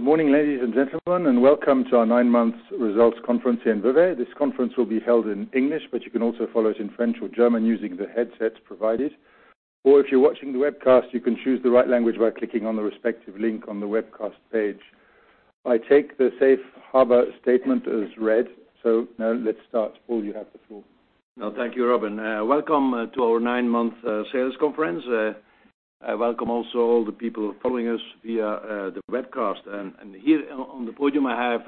Good morning, ladies and gentlemen, and welcome to our nine-month results conference in Vevey. This conference will be held in English, but you can also follow it in French or German using the headsets provided. If you're watching the webcast, you can choose the right language by clicking on the respective link on the webcast page. I take the safe harbor statement as read. Now let's start. Paul, you have the floor. Thank you, Robin. Welcome to our nine-month sales conference. I welcome also all the people following us via the webcast. Here on the podium, I have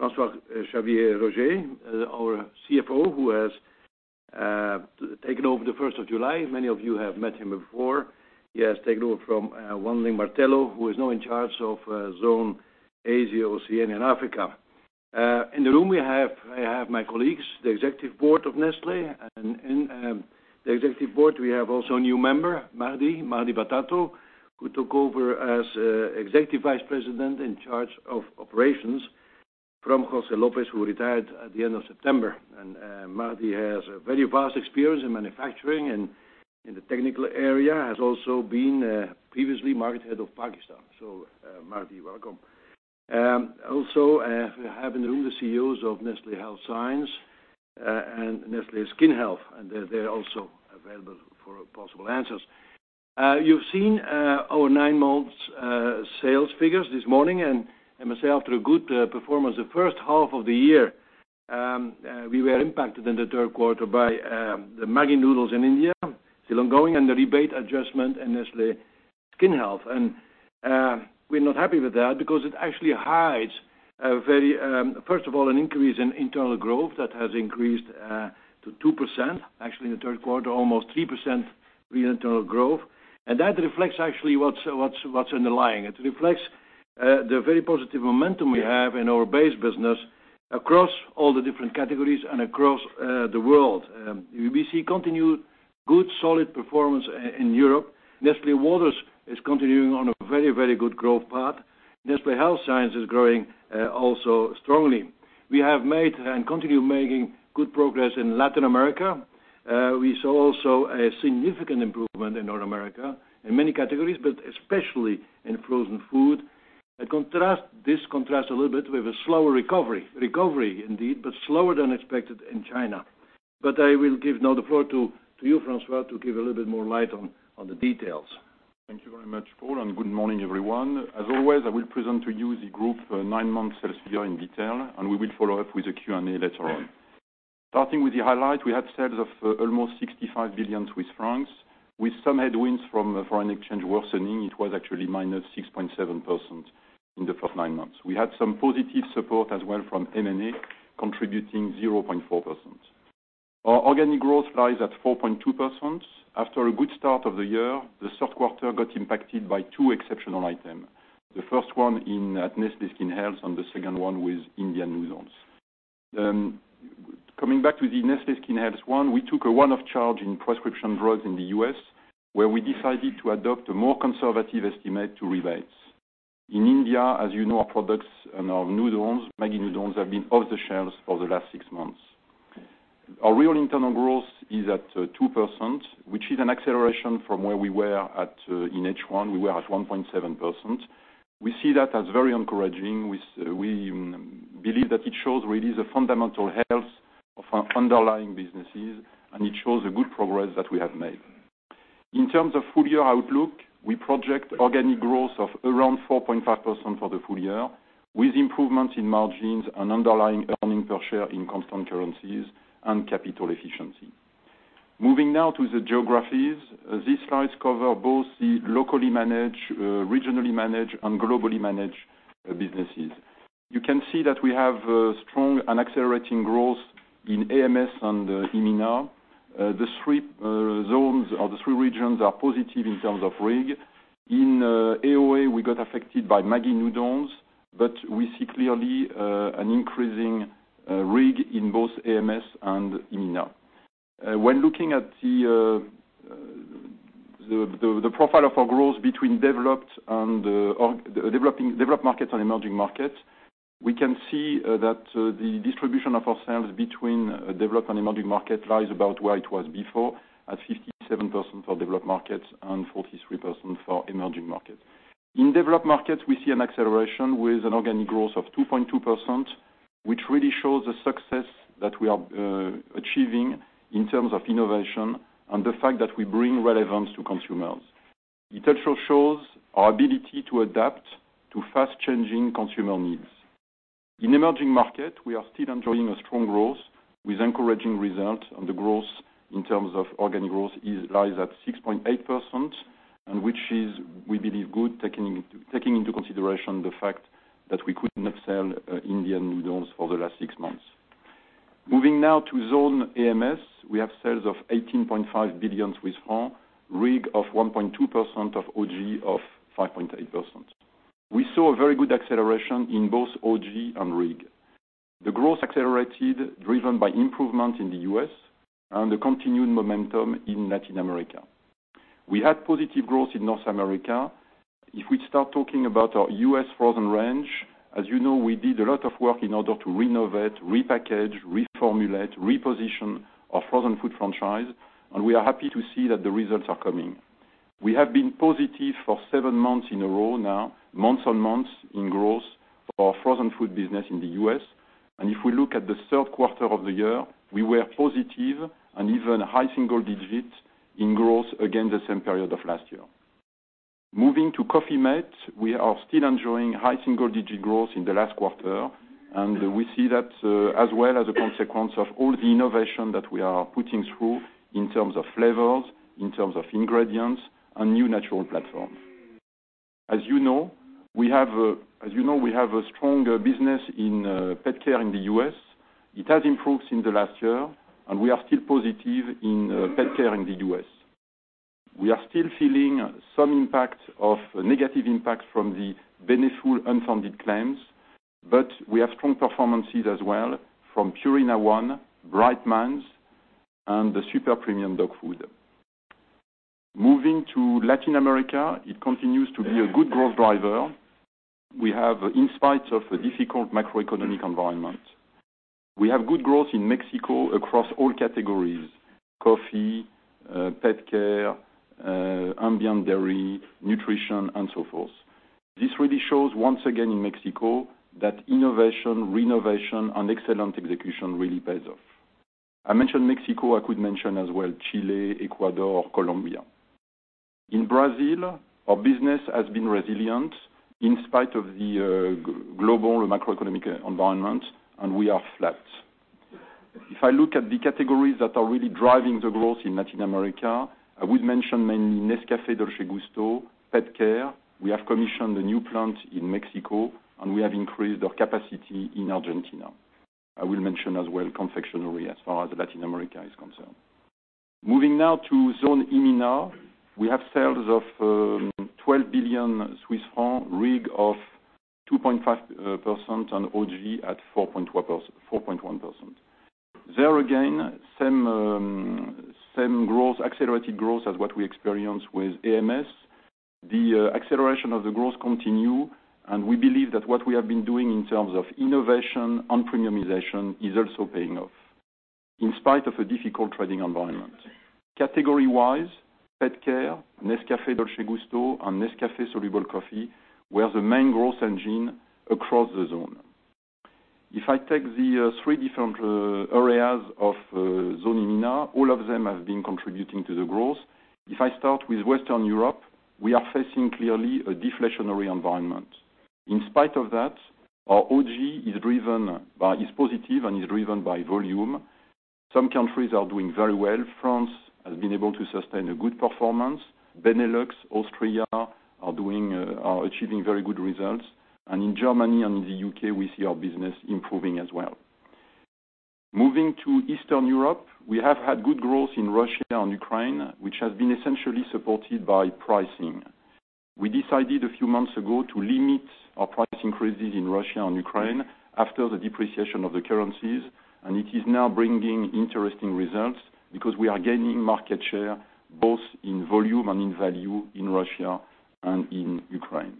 François-Xavier Roger, our CFO, who has taken over the 1st of July. Many of you have met him before. He has taken over from Wan-Ling Martello, who is now in charge of Zone Asia, Oceania, and Africa. In the room, I have my colleagues, the executive board of Nestlé. In the executive board, we have also a new member, Magdi Batato, who took over as Executive Vice President in charge of operations from José Lopez, who retired at the end of September. Magdi has very vast experience in manufacturing and in the technical area, has also been previously market head of Pakistan. Magdi, welcome. We have in the room the CEOs of Nestlé Health Science and Nestlé Skin Health, and they're also available for possible answers. You've seen our nine-month sales figures this morning, and I must say, after a good performance the first half of the year, we were impacted in the third quarter by the Maggi noodles in India, still ongoing, and the rebate adjustment in Nestlé Skin Health. We're not happy with that because it actually hides, first of all, an increase in internal growth that has increased to 2%, actually in the third quarter, almost 3% real internal growth. That reflects actually what's underlying. It reflects the very positive momentum we have in our base business across all the different categories and across the world. UBC continued good, solid performance in Europe. Nestlé Waters is continuing on a very, very good growth path. Nestlé Health Science is growing also strongly. We have made and continue making good progress in Latin America. We saw also a significant improvement in North America in many categories, but especially in frozen food. This contrasts a little bit with a slower recovery. Recovery indeed, but slower than expected in China. I will give now the floor to you, François, to give a little bit more light on the details. Thank you very much, Paul, and good morning, everyone. As always, I will present to you the group nine-month sales figure in detail, and we will follow up with the Q&A later on. Starting with the highlight, we have sales of almost 65 billion Swiss francs. With some headwinds from foreign exchange worsening, it was actually -6.7% in the first nine months. We had some positive support as well from M&A, contributing 0.4%. Our organic growth lies at 4.2%. After a good start of the year, the third quarter got impacted by two exceptional item: the first one at Nestlé Skin Health, and the second one with India noodles. Coming back to the Nestlé Skin Health one, we took a one-off charge in prescription drugs in the U.S., where we decided to adopt a more conservative estimate to rebates. In India, as you know, our products and our Maggi noodles have been off the shelves for the last six months. Our real internal growth is at 2%, which is an acceleration from where we were at in H1. We were at 1.7%. We see that as very encouraging. We believe that it shows really the fundamental health of our underlying businesses, and it shows the good progress that we have made. In terms of full-year outlook, we project organic growth of around 4.5% for the full year, with improvements in margins and underlying earning per share in constant currencies and capital efficiency. Moving now to the geographies. These slides cover both the locally managed, regionally managed, and globally managed businesses. You can see that we have strong and accelerating growth in AMS and in MENA. The three regions are positive in terms of RIG. In AOA, we got affected by Maggi noodles, but we see clearly an increasing RIG in both AMS and MENA. When looking at the profile of our growth between developed markets and emerging markets, we can see that the distribution of our sales between developed and emerging market lies about where it was before, at 57% for developed markets and 43% for emerging markets. In developed markets, we see an acceleration with an organic growth of 2.2%, which really shows the success that we are achieving in terms of innovation and the fact that we bring relevance to consumers. It also shows our ability to adapt to fast-changing consumer needs. In emerging market, we are still enjoying a strong growth with encouraging result, and the growth in terms of organic growth lies at 6.8%, and which is, we believe, good, taking into consideration the fact that we could not sell Indian noodles for the last six months. Moving now to Zone AMS. We have sales of 18.5 billion francs, RIG of 1.2% of OG of 5.8%. We saw a very good acceleration in both OG and RIG. The growth accelerated, driven by improvement in the U.S. and the continued momentum in Latin America. We had positive growth in North America. If we start talking about our U.S. frozen range, as you know, we did a lot of work in order to renovate, repackage, reformulate, reposition our frozen food franchise, and we are happy to see that the results are coming. We have been positive for seven months in a row now, month-on-month in growth for our frozen food business in the U.S. If we look at the third quarter of the year, we were positive and even high single digits in growth against the same period of last year. Moving to Coffee-mate, we are still enjoying high single-digit growth in the last quarter. We see that as well as a consequence of all the innovation that we are putting through in terms of flavors, in terms of ingredients, and new natural platforms. As you know, we have a stronger business in pet care in the U.S. It has improved in the last year, and we are still positive in pet care in the U.S. We are still feeling some negative impact from the Beneful unfounded claims, but we have strong performances as well from Purina ONE, Bright Minds, and the super premium dog food. Moving to Latin America, it continues to be a good growth driver. We have, in spite of a difficult macroeconomic environment, we have good growth in Mexico across all categories: coffee, pet care, ambient dairy, nutrition, and so forth. This really shows once again in Mexico that innovation, renovation, and excellent execution really pays off. I mentioned Mexico. I could mention as well Chile, Ecuador, Colombia. In Brazil, our business has been resilient in spite of the global macroeconomic environment. We are flat. If I look at the categories that are really driving the growth in Latin America, I would mention mainly Nescafé Dolce Gusto, pet care. We have commissioned a new plant in Mexico. We have increased our capacity in Argentina. I will mention as well confectionery as far as Latin America is concerned. Moving now to Zone EMENA. We have sales of 12 billion Swiss francs, RIG of 2.5%. OG at 4.1%. There again, same accelerated growth as what we experienced with AMS. The acceleration of the growth continue. We believe that what we have been doing in terms of innovation and premiumization is also paying off in spite of a difficult trading environment. Category-wise, pet care, Nescafé Dolce Gusto, and Nescafé soluble coffee were the main growth engine across the zone. If I take the three different areas of Zone EMENA, all of them have been contributing to the growth. If I start with Western Europe, we are facing clearly a deflationary environment. In spite of that, our OG is positive and is driven by volume. Some countries are doing very well. France has been able to sustain a good performance. Benelux, Austria are achieving very good results. In Germany and in the U.K., we see our business improving as well. Moving to Eastern Europe, we have had good growth in Russia and Ukraine, which has been essentially supported by pricing. We decided a few months ago to limit our price increases in Russia and Ukraine after the depreciation of the currencies. It is now bringing interesting results because we are gaining market share both in volume and in value in Russia and in Ukraine.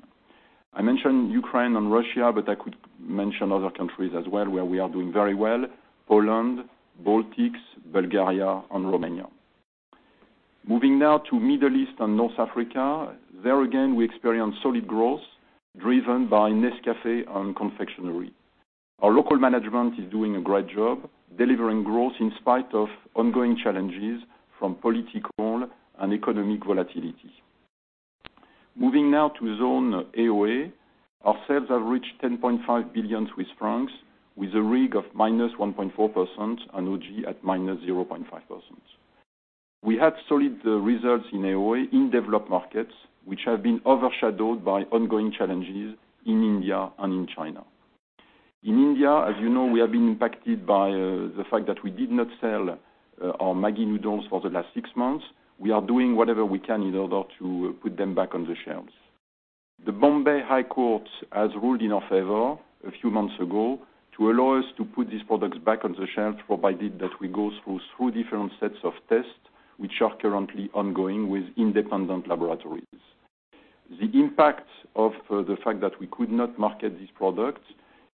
I mentioned Ukraine and Russia, I could mention other countries as well where we are doing very well: Poland, Baltics, Bulgaria, and Romania. Moving now to Middle East and North Africa. There again, we experience solid growth driven by Nescafé and confectionery. Our local management is doing a great job delivering growth in spite of ongoing challenges from political and economic volatility. Moving now to Zone AOA. Our sales have reached 10.5 billion Swiss francs with a RIG of -1.4% and OG at -0.5%. We had solid results in AOA in developed markets, which have been overshadowed by ongoing challenges in India and in China. In India, as you know, we have been impacted by the fact that we did not sell our Maggi noodles for the last 6 months. We are doing whatever we can in order to put them back on the shelves. The Bombay High Court has ruled in our favor a few months ago to allow us to put these products back on the shelves, provided that we go through 2 different sets of tests, which are currently ongoing with independent laboratories. The impact of the fact that we could not market this product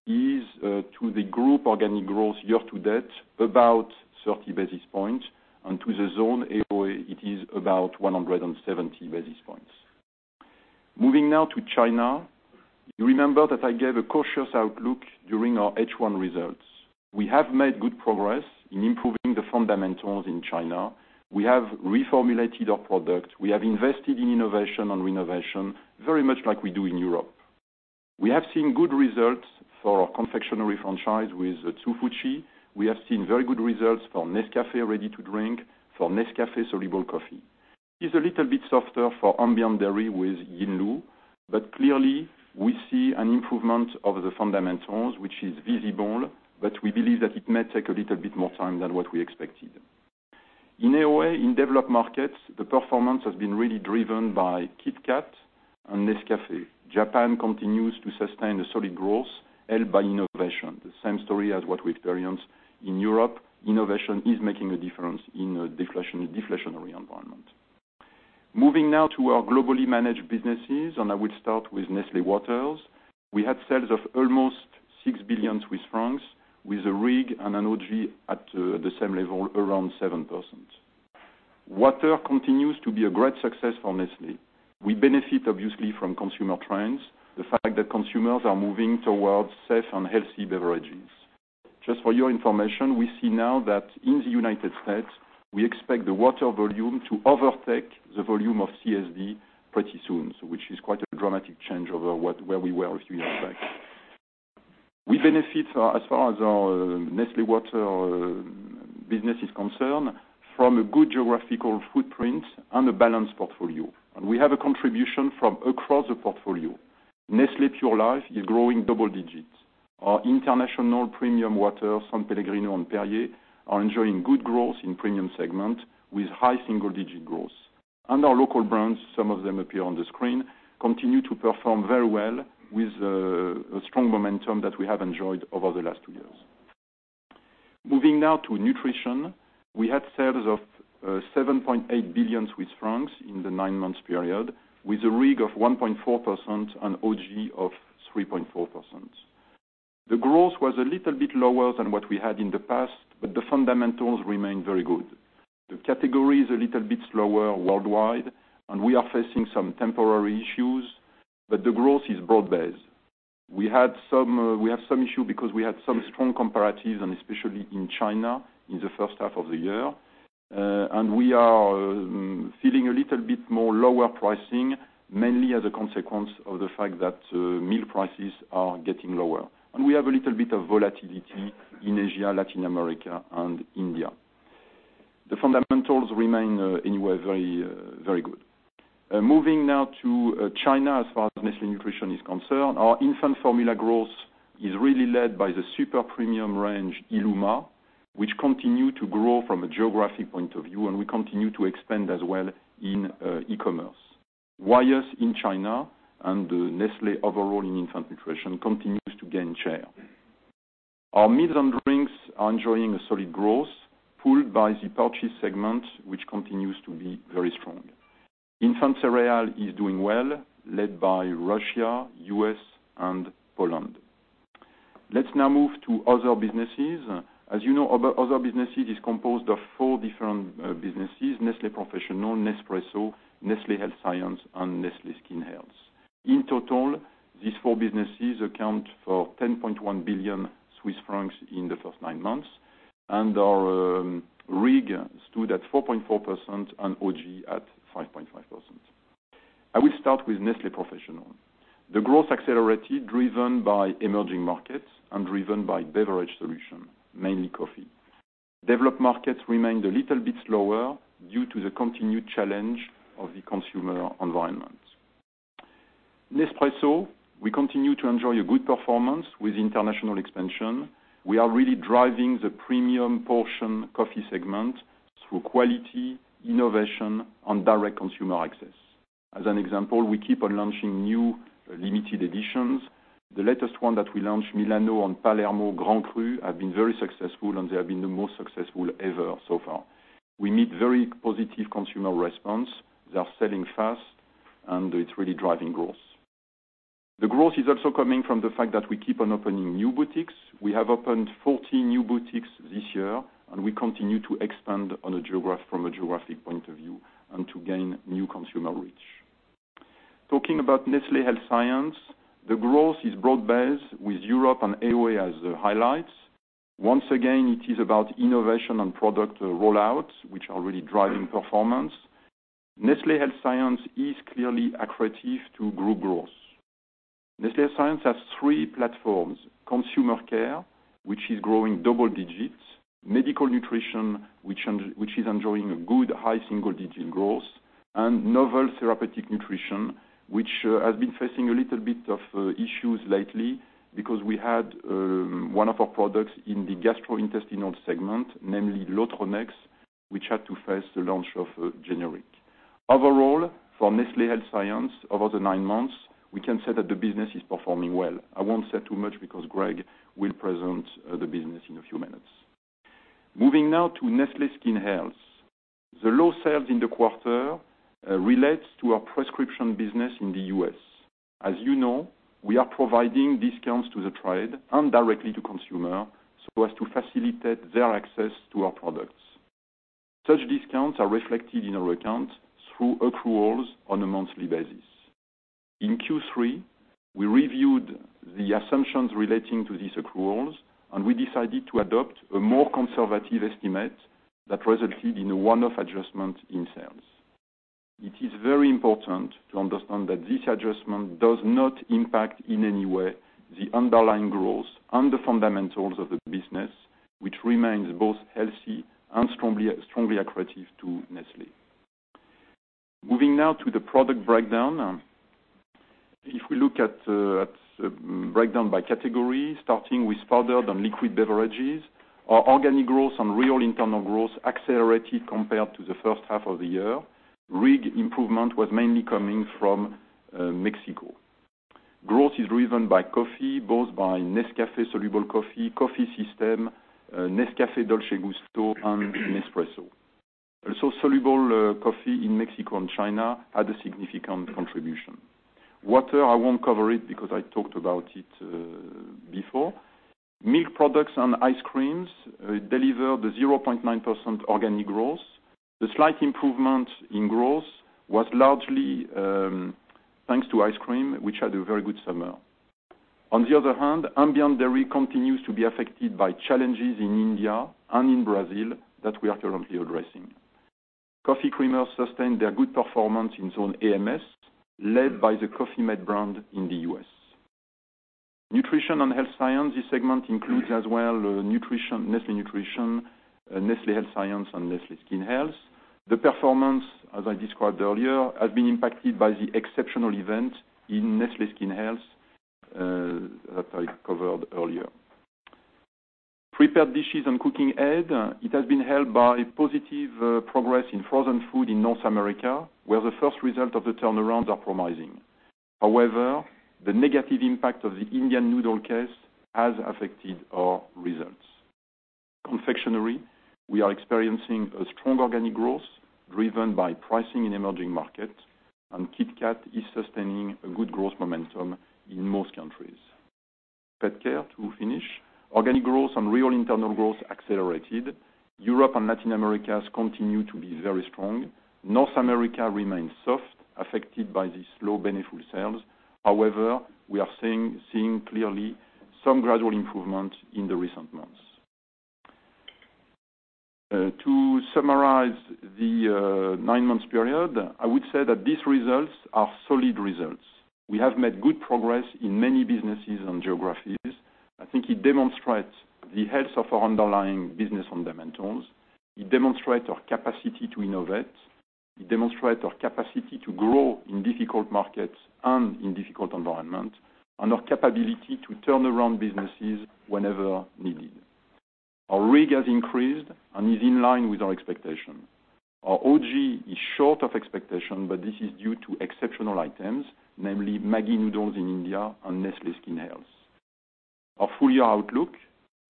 is to the group organic growth year to date about 30 basis points, and to the Zone AOA, it is about 170 basis points. Moving now to China. You remember that I gave a cautious outlook during our H1 results. We have made good progress in improving the fundamentals in China. We have reformulated our product. We have invested in innovation and renovation very much like we do in Europe. We have seen good results for our confectionery franchise with Hsu Fu Chi. We have seen very good results for Nescafé Ready-to-Drink, for Nescafé soluble coffee. It's a little bit softer for ambient dairy with Yinlu. Clearly, we see an improvement of the fundamentals, which is visible, but we believe that it may take a little bit more time than what we expected. In AOA, in developed markets, the performance has been really driven by KitKat On Nescafé. Japan continues to sustain a solid growth helped by innovation. The same story as what we experience in Europe, innovation is making a difference in a deflationary environment. Moving now to our globally managed businesses, and I will start with Nestlé Waters. We had sales of almost 6 billion Swiss francs with a RIG and an OG at the same level, around 7%. Water continues to be a great success for Nestlé. We benefit obviously from consumer trends, the fact that consumers are moving towards safe and healthy beverages. For your information, we see now that in the U.S., we expect the water volume to overtake the volume of CSD pretty soon. Which is quite a dramatic change over where we were a few years back. We benefit, as far as our Nestlé Waters business is concerned, from a good geographical footprint and a balanced portfolio. We have a contribution from across the portfolio. Nestlé Pure Life is growing double digits. Our international premium water, S.Pellegrino and Perrier, are enjoying good growth in premium segment with high single-digit growth. And our local brands, some of them appear on the screen, continue to perform very well with the strong momentum that we have enjoyed over the last two years. Moving now to Nutrition. We had sales of 7.8 billion Swiss francs in the nine-month period, with a RIG of 1.4% and OG of 3.4%. The growth was a little bit lower than what we had in the past, but the fundamentals remain very good. The category is a little bit slower worldwide, and we are facing some temporary issues, but the growth is broad-based. We have some issue because we had some strong comparatives, especially in China in the first half of the year. We are feeling a little bit more lower pricing, mainly as a consequence of the fact that milk prices are getting lower. We have a little bit of volatility in Asia, Latin America, and India. The fundamentals remain anyway very good. Moving now to China, as far as Nestlé Nutrition is concerned. Our infant formula growth is really led by the super premium range, Illuma, which continue to grow from a geographic point of view, and we continue to expand as well in e-commerce. Wyeth in China and Nestlé overall in infant nutrition continues to gain share. Our meals and drinks are enjoying a solid growth pulled by the poultry segment, which continues to be very strong. Infant cereals is doing well, led by Russia, U.S., and Poland. Let's now move to Other Businesses. As you know, Other Businesses is composed of four different businesses, Nestlé Professional, Nespresso, Nestlé Health Science, and Nestlé Skin Health. In total, these four businesses account for 10.1 billion Swiss francs in the first nine months, and our RIG stood at 4.4% and OG at 5.5%. I will start with Nestlé Professional. The growth accelerated, driven by emerging markets and driven by beverage solution, mainly coffee. Developed markets remained a little bit slower due to the continued challenge of the consumer environment. Nespresso, we continue to enjoy a good performance with international expansion. We are really driving the premium portion coffee segment through quality, innovation, and direct consumer access. As an example, we keep on launching new limited editions. The latest one that we launched, Milano and Palermo Grand Cru, have been very successful, and they have been the most successful ever so far. We meet very positive consumer response. They are selling fast, and it's really driving growth. The growth is also coming from the fact that we keep on opening new boutiques. We have opened 14 new boutiques this year, and we continue to expand from a geographic point of view and to gain new consumer reach. Talking about Nestlé Health Science, the growth is broad-based with Europe and AOA as the highlights. Once again, it is about innovation and product rollouts, which are really driving performance. Nestlé Health Science is clearly accretive to group growth. Nestlé Health Science has three platforms: consumer care, which is growing double digits, medical nutrition, which is enjoying a good high single-digit growth, and novel therapeutic nutrition, which has been facing a little bit of issues lately because we had one of our products in the gastrointestinal segment, namely Lotronex, which had to face the launch of generic. Overall, for Nestlé Health Science, over the nine months, we can say that the business is performing well. I won't say too much because Greg will present the business in a few minutes. Moving now to Nestlé Skin Health. The low sales in the quarter relates to our prescription business in the U.S. As you know, we are providing discounts to the trade and directly to consumer so as to facilitate their access to our products. Such discounts are reflected in our accounts through accruals on a monthly basis. In Q3, we reviewed the assumptions relating to these accruals, and we decided to adopt a more conservative estimate that resulted in a one-off adjustment in sales. It is very important to understand that this adjustment does not impact in any way the underlying growth and the fundamentals of the business, which remains both healthy and strongly accretive to Nestlé. Moving now to the product breakdown. If we look at breakdown by category, starting with powdered and liquid beverages, our organic growth and real internal growth accelerated compared to the first half of the year. RIG improvement was mainly coming from Mexico. Growth is driven by coffee, both by Nescafé soluble coffee system, Nescafé Dolce Gusto, and Nespresso. Soluble coffee in Mexico and China had a significant contribution. Water, I won't cover it because I talked about it before. Milk products and ice creams delivered a 0.9% organic growth. The slight improvement in growth was largely thanks to ice cream, which had a very good summer. On the other hand, ambient dairy continues to be affected by challenges in India and in Brazil that we are currently addressing. Coffee creamers sustained their good performance in zone AMS, led by the Coffee-mate brand in the U.S. Nutrition and Health Science. This segment includes as well Nestlé Nutrition, Nestlé Health Science, and Nestlé Skin Health. The performance, as I described earlier, has been impacted by the exceptional event in Nestlé Skin Health that I covered earlier. Prepared dishes and cooking aids. It has been helped by positive progress in frozen food in North America, where the first result of the turnarounds are promising. The negative impact of the Indian noodle case has affected our results. Confectionery, we are experiencing a strong organic growth driven by pricing in emerging markets, and KitKat is sustaining a good growth momentum in most countries. Pet care to finish. Organic growth and real internal growth accelerated. Europe and Latin America continue to be very strong. North America remains soft, affected by these low Beneful sales. We are seeing clearly some gradual improvement in the recent months. To summarize the nine months period, I would say that these results are solid results. We have made good progress in many businesses and geographies. I think it demonstrates the health of our underlying business fundamentals. It demonstrates our capacity to innovate, it demonstrates our capacity to grow in difficult markets and in difficult environment, and our capability to turn around businesses whenever needed. Our RIG has increased and is in line with our expectation. Our OG is short of expectation, but this is due to exceptional items, namely Maggi noodles in India and Nestlé Skin Health. Our full year outlook,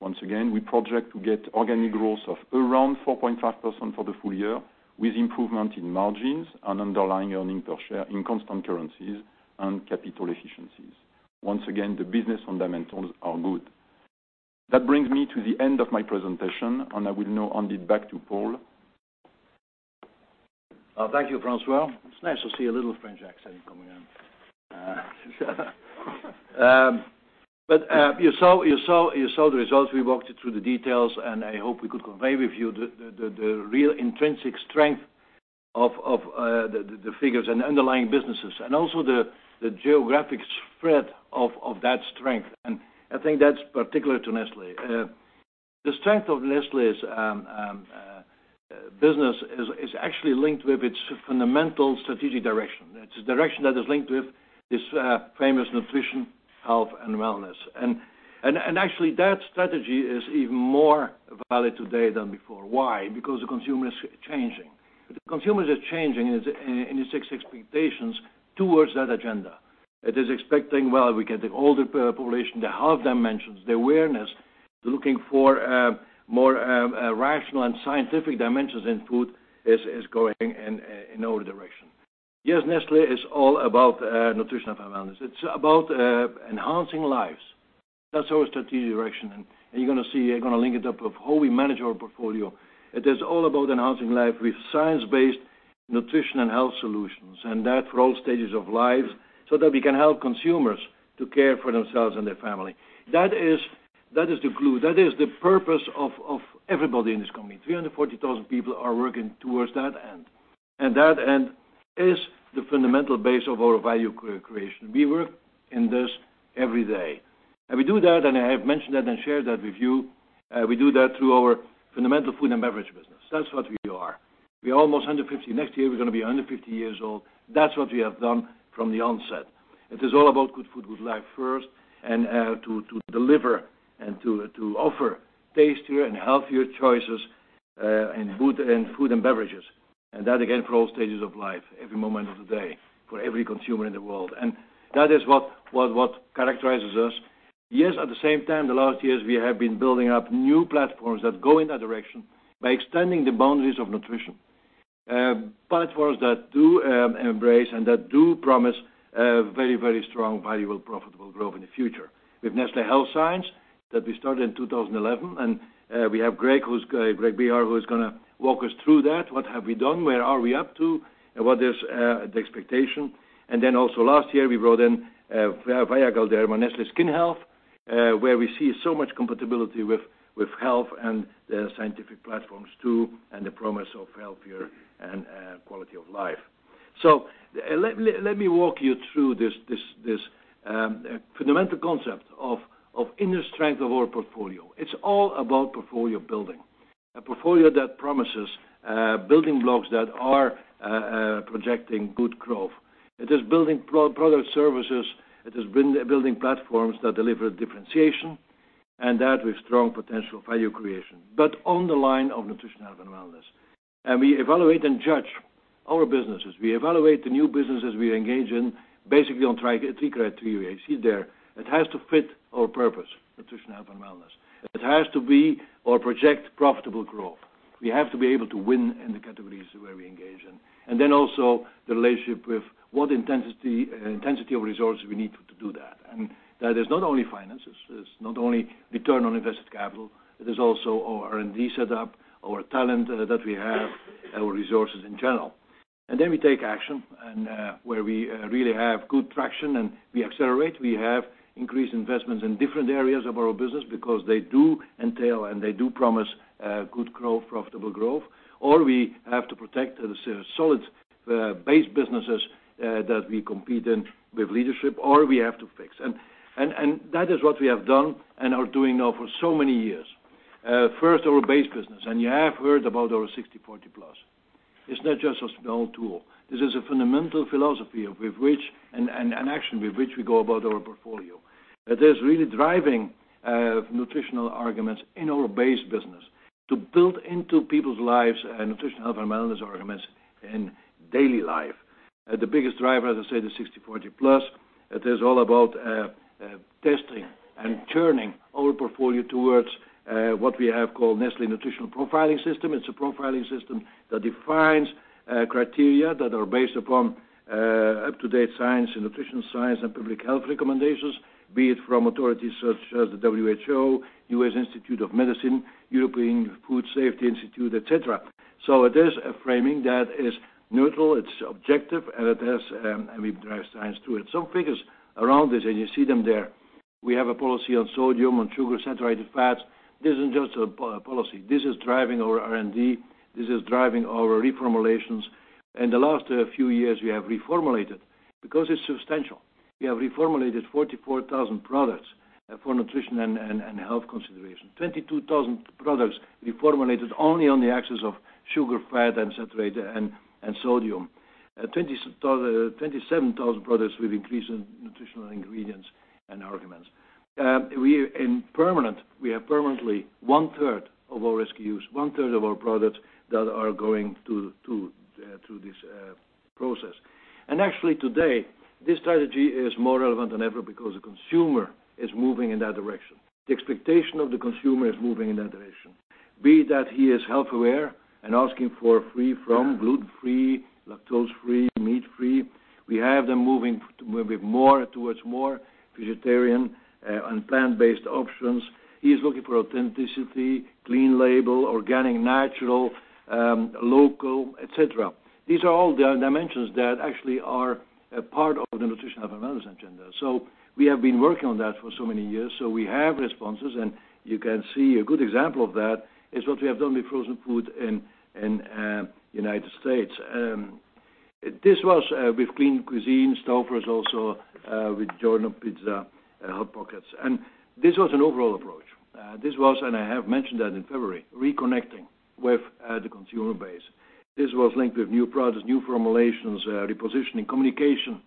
once again, we project to get organic growth of around 4.5% for the full year, with improvement in margins and underlying earnings per share in constant currencies and capital efficiencies. Once again, the business fundamentals are good. That brings me to the end of my presentation, and I will now hand it back to Paul. Thank you, François. It's nice to see a little French accent coming in. You saw the results. I hope we could convey with you the real intrinsic strength of the figures and underlying businesses and also the geographic spread of that strength. I think that's particular to Nestlé. The strength of Nestlé's business is actually linked with its fundamental strategic direction. It's a direction that is linked with this famous nutrition, health, and wellness. Actually, that strategy is even more valid today than before. Why? Because the consumer is changing. The consumer is changing in its expectations towards that agenda. It is expecting, well, we get the older population, the health dimensions, the awareness, looking for more rational and scientific dimensions in food is going in our direction. Yes, Nestlé is all about nutrition and wellness. It's about enhancing lives. That's our strategic direction. You're going to see, you're going to link it up of how we manage our portfolio. It is all about enhancing life with science-based nutrition and health solutions, and that for all stages of life, so that we can help consumers to care for themselves and their family. That is the glue. That is the purpose of everybody in this company. 340,000 people are working towards that end. That end is the fundamental base of our value creation. We work in this every day. We do that, and I have mentioned that and shared that with you. We do that through our fundamental food and beverage business. That's what we are. We're almost 150. Next year, we're going to be 150 years old. That's what we have done from the onset. It is all about good food, good life first. To deliver and to offer tastier and healthier choices in food and beverages. That, again, for all stages of life, every moment of the day, for every consumer in the world. That is what characterizes us. Yes, at the same time, the last years, we have been building up new platforms that go in that direction by extending the boundaries of nutrition. Platforms that do embrace and that do promise very, very strong, valuable, profitable growth in the future. With Nestlé Health Science, that we started in 2011, and we have Greg Behar, who's going to walk us through that, what have we done, where are we up to, and what is the expectation. Also last year, we brought in Galderma Nestlé Skin Health, where we see so much compatibility with health and the scientific platforms too, and the promise of healthier and quality of life. Let me walk you through this A fundamental concept of inner strength of our portfolio. It's all about portfolio building. A portfolio that promises building blocks that are projecting good growth. It is building product services, it is building platforms that deliver differentiation, and that with strong potential value creation. On the line of nutrition, health, and wellness. We evaluate and judge our businesses. We evaluate the new businesses we engage in, basically on three criteria you see there. It has to fit our purpose, nutrition, health, and wellness. It has to be, or project profitable growth. We have to be able to win in the categories where we engage in. Also the relationship with what intensity of resources we need to do that. That is not only finances, it's not only return on invested capital, it is also our R&D set up, our talent that we have, our resources in general. We take action, where we really have good traction, we accelerate. We have increased investments in different areas of our business because they do entail and they do promise good growth, profitable growth, or we have to protect the solid base businesses that we compete in with leadership, or we have to fix. That is what we have done and are doing now for so many years. First, our base business, you have heard about our 60/40+. It's not just a small tool. This is a fundamental philosophy, action with which we go about our portfolio. That is really driving nutritional arguments in our base business to build into people's lives nutrition, health, and wellness arguments in daily life. The biggest driver, as I said, is 60/40+. It is all about testing and turning our portfolio towards what we have called Nestlé Nutritional Profiling System. It's a profiling system that defines criteria that are based upon up-to-date science and nutrition science and public health recommendations, be it from authorities such as the WHO, U.S. Institute of Medicine, European Food Safety Authority, et cetera. It is a framing that is neutral, it's objective, we drive science to it. Some figures around this, you see them there. We have a policy on sodium, on sugar, saturated fats. This isn't just a policy. This is driving our R&D, this is driving our reformulation. In the last few years, we have reformulated. It's substantial, we have reformulated 44,000 products for nutrition and health consideration, 22,000 products reformulated only on the axis of sugar, fat, and saturated, and sodium. 27,000 products with increase in nutritional ingredients and arguments. We have permanently one-third of our SKUs, one-third of our products that are going through this process. Actually today, this strategy is more relevant than ever because the consumer is moving in that direction. The expectation of the consumer is moving in that direction, be that he is health aware and asking for free from, gluten-free, lactose-free, meat-free. We have them moving towards more vegetarian and plant-based options. He is looking for authenticity, clean label, organic, natural, local, et cetera. These are all dimensions that actually are a part of the nutrition, health, and wellness agenda. We have been working on that for so many years. We have responses, you can see a good example of that is what we have done with frozen food in U.S. This was with Lean Cuisine, Stouffer's also, with DiGiorno Pizza, Hot Pockets. This was an overall approach. This was, I have mentioned that in February, reconnecting with the consumer base. This was linked with new products, new formulations, repositioning communication,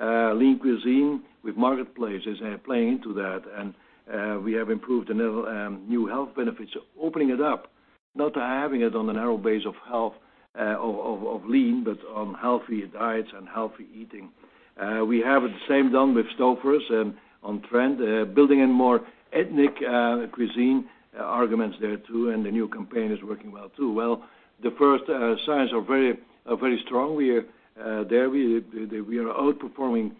Lean Cuisine Marketplace is playing into that. We have improved new health benefits, opening it up, not having it on the narrow base of health, of lean, but on healthy diets and healthy eating. We have the same done with Stouffer's on trend, building in more ethnic cuisine arguments there too, the new campaign is working well too. Well, the first signs are very strong. We are outperforming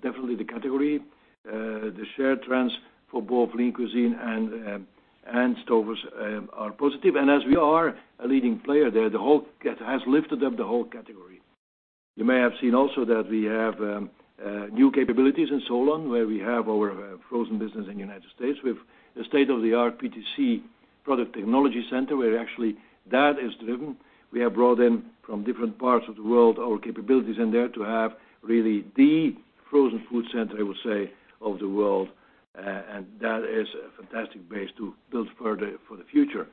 definitely the category. The shared trends for both Lean Cuisine and Stouffer's are positive. As we are a leading player there, it has lifted up the whole category. You may have seen also that we have new capabilities in Solon, where we have our frozen business in the U.S. with the state-of-the-art PTC, Product Technology Center, where actually that is driven. We have brought in from different parts of the world our capabilities in there to have really the frozen food center, I would say, of the world. That is a fantastic base to build further for the future.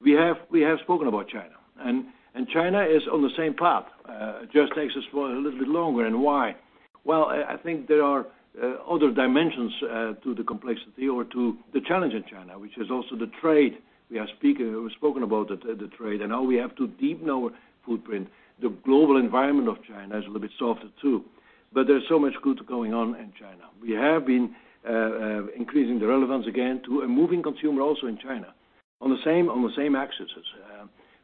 We have spoken about China is on the same path. It just takes us a little bit longer, and why? Well, I think there are other dimensions to the complexity or to the challenge in China, which is also the trade. We have spoken about the trade, now we have to deepen our footprint. The global environment of China is a little bit softer too. There's so much good going on in China. We have been increasing the relevance again to a moving consumer also in China, on the same accesses.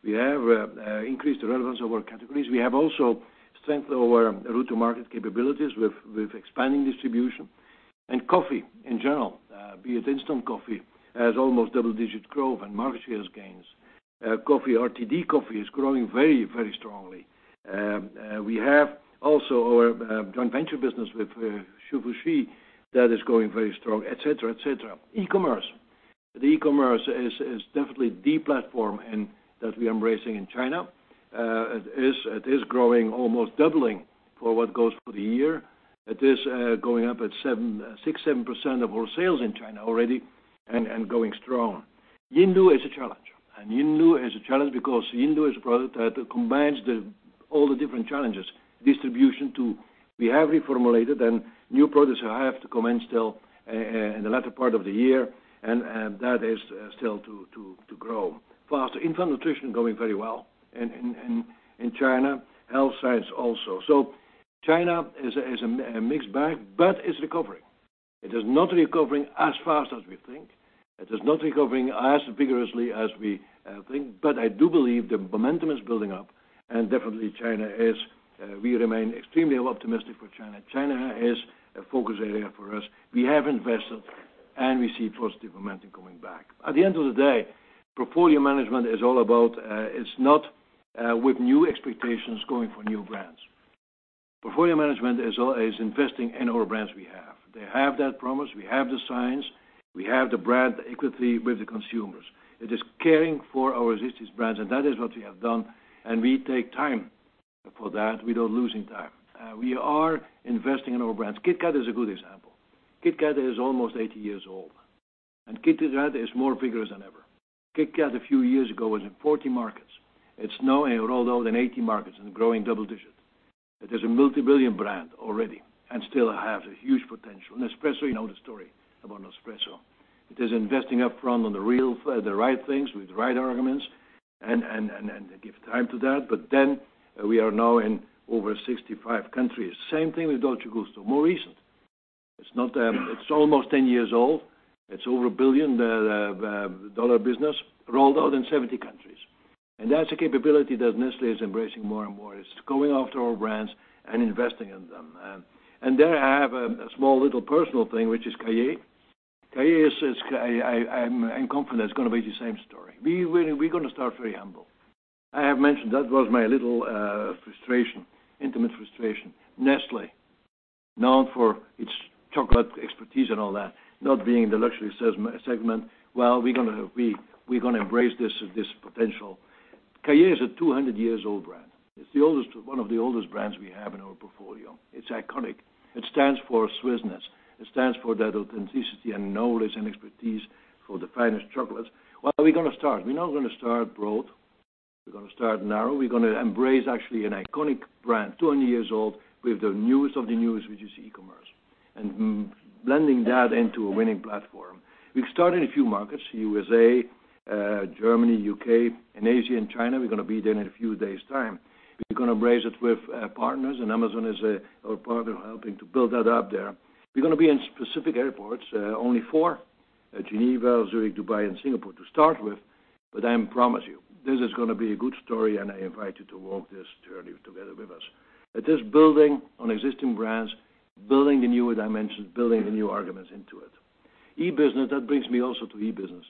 We have increased the relevance of our categories. We have also strengthened our route to market capabilities with expanding distribution. Coffee in general, be it instant coffee, has almost double-digit growth and market shares gains. RTD coffee is growing very strongly. We have also our joint venture business with Hsu Fu Chi that is going very strong, et cetera. The e-commerce is definitely the platform that we are embracing in China. It is growing, almost doubling for what goes for the year. It is going up at 6%, 7% of our sales in China already and going strong. Yinlu is a challenge. Yinlu is a challenge because Yinlu is a product that combines all the different challenges, distribution too. We have reformulated, new products have to come in still in the latter part of the year, and that is still to grow faster. Infant nutrition is growing very well in China, health science also. China is a mixed bag, it's recovering. It is not recovering as fast as we think. It is not recovering as vigorously as we think. I do believe the momentum is building up and definitely we remain extremely optimistic for China. China is a focus area for us. We have invested, we see positive momentum coming back. At the end of the day, portfolio management is not with new expectations, going for new brands. Portfolio management is investing in our brands we have. They have that promise. We have the science. We have the brand equity with the consumers. It is caring for our existing brands, that is what we have done, we take time for that without losing time. We are investing in our brands. KitKat is a good example. KitKat is almost 80 years old, KitKat brand is more vigorous than ever. KitKat, a few years ago, was in 40 markets. It's now rolled out in 80 markets and growing double digits. It is a multi-billion brand already and still has a huge potential. Nespresso, you know the story about Nespresso. It is investing upfront on the right things with the right arguments and give time to that. We are now in over 65 countries. Same thing with Dolce Gusto, more recent. It's almost 10 years old. It's over a billion-dollar business, rolled out in 70 countries. That's a capability that Nestlé is embracing more and more. It's going after our brands and investing in them. There I have a small little personal thing, which is Cailler. Cailler, I'm confident it's going to be the same story. We're going to start very humble. I have mentioned that was my little intimate frustration. Nestlé, known for its chocolate expertise and all that, not being in the luxury segment. We're going to embrace this potential. Cailler is a 200-years-old brand. It's one of the oldest brands we have in our portfolio. It's iconic. It stands for Swissness. It stands for that authenticity and knowledge and expertise for the finest chocolates. We're going to start. We're not going to start broad. We're going to start narrow. We're going to embrace actually an iconic brand, 200 years old, with the newest of the newest, which is e-commerce, blending that into a winning platform. We've started a few markets, USA, Germany, U.K., and Asia and China. We're going to be there in a few days' time. We're going to embrace it with partners, Amazon is our partner helping to build that up there. We're going to be in specific airports, only four, Geneva, Zurich, Dubai, and Singapore to start with. I promise you, this is going to be a good story, and I invite you to walk this journey together with us. It is building on existing brands, building the newer dimensions, building the new arguments into it. E-business, that brings me also to e-business.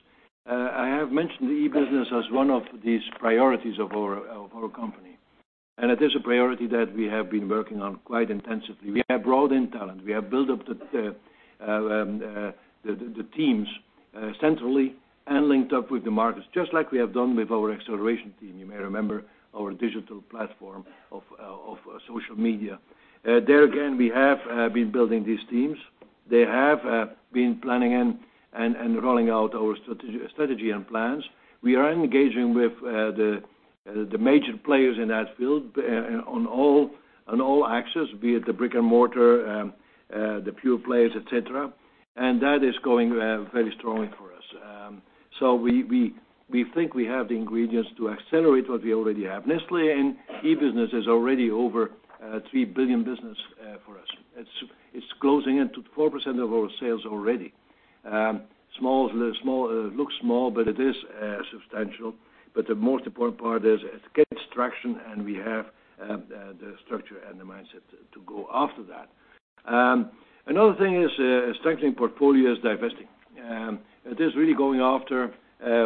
I have mentioned e-business as one of these priorities of our company, it is a priority that we have been working on quite intensively. We have brought in talent. We have built up the teams centrally and linked up with the markets, just like we have done with our acceleration team. You may remember our digital platform of social media. There again, we have been building these teams. They have been planning and rolling out our strategy and plans. We are engaging with the major players in that field on all axes, be it the brick and mortar, the pure players, et cetera. That is going very strongly for us. We think we have the ingredients to accelerate what we already have. Nestlé in e-business is already over a 3 billion business for us. It's closing into 4% of our sales already. It looks small, it is substantial. The most important part is it gets traction, we have the structure and the mindset to go after that. Another thing is strengthening portfolio is divesting. It is really going after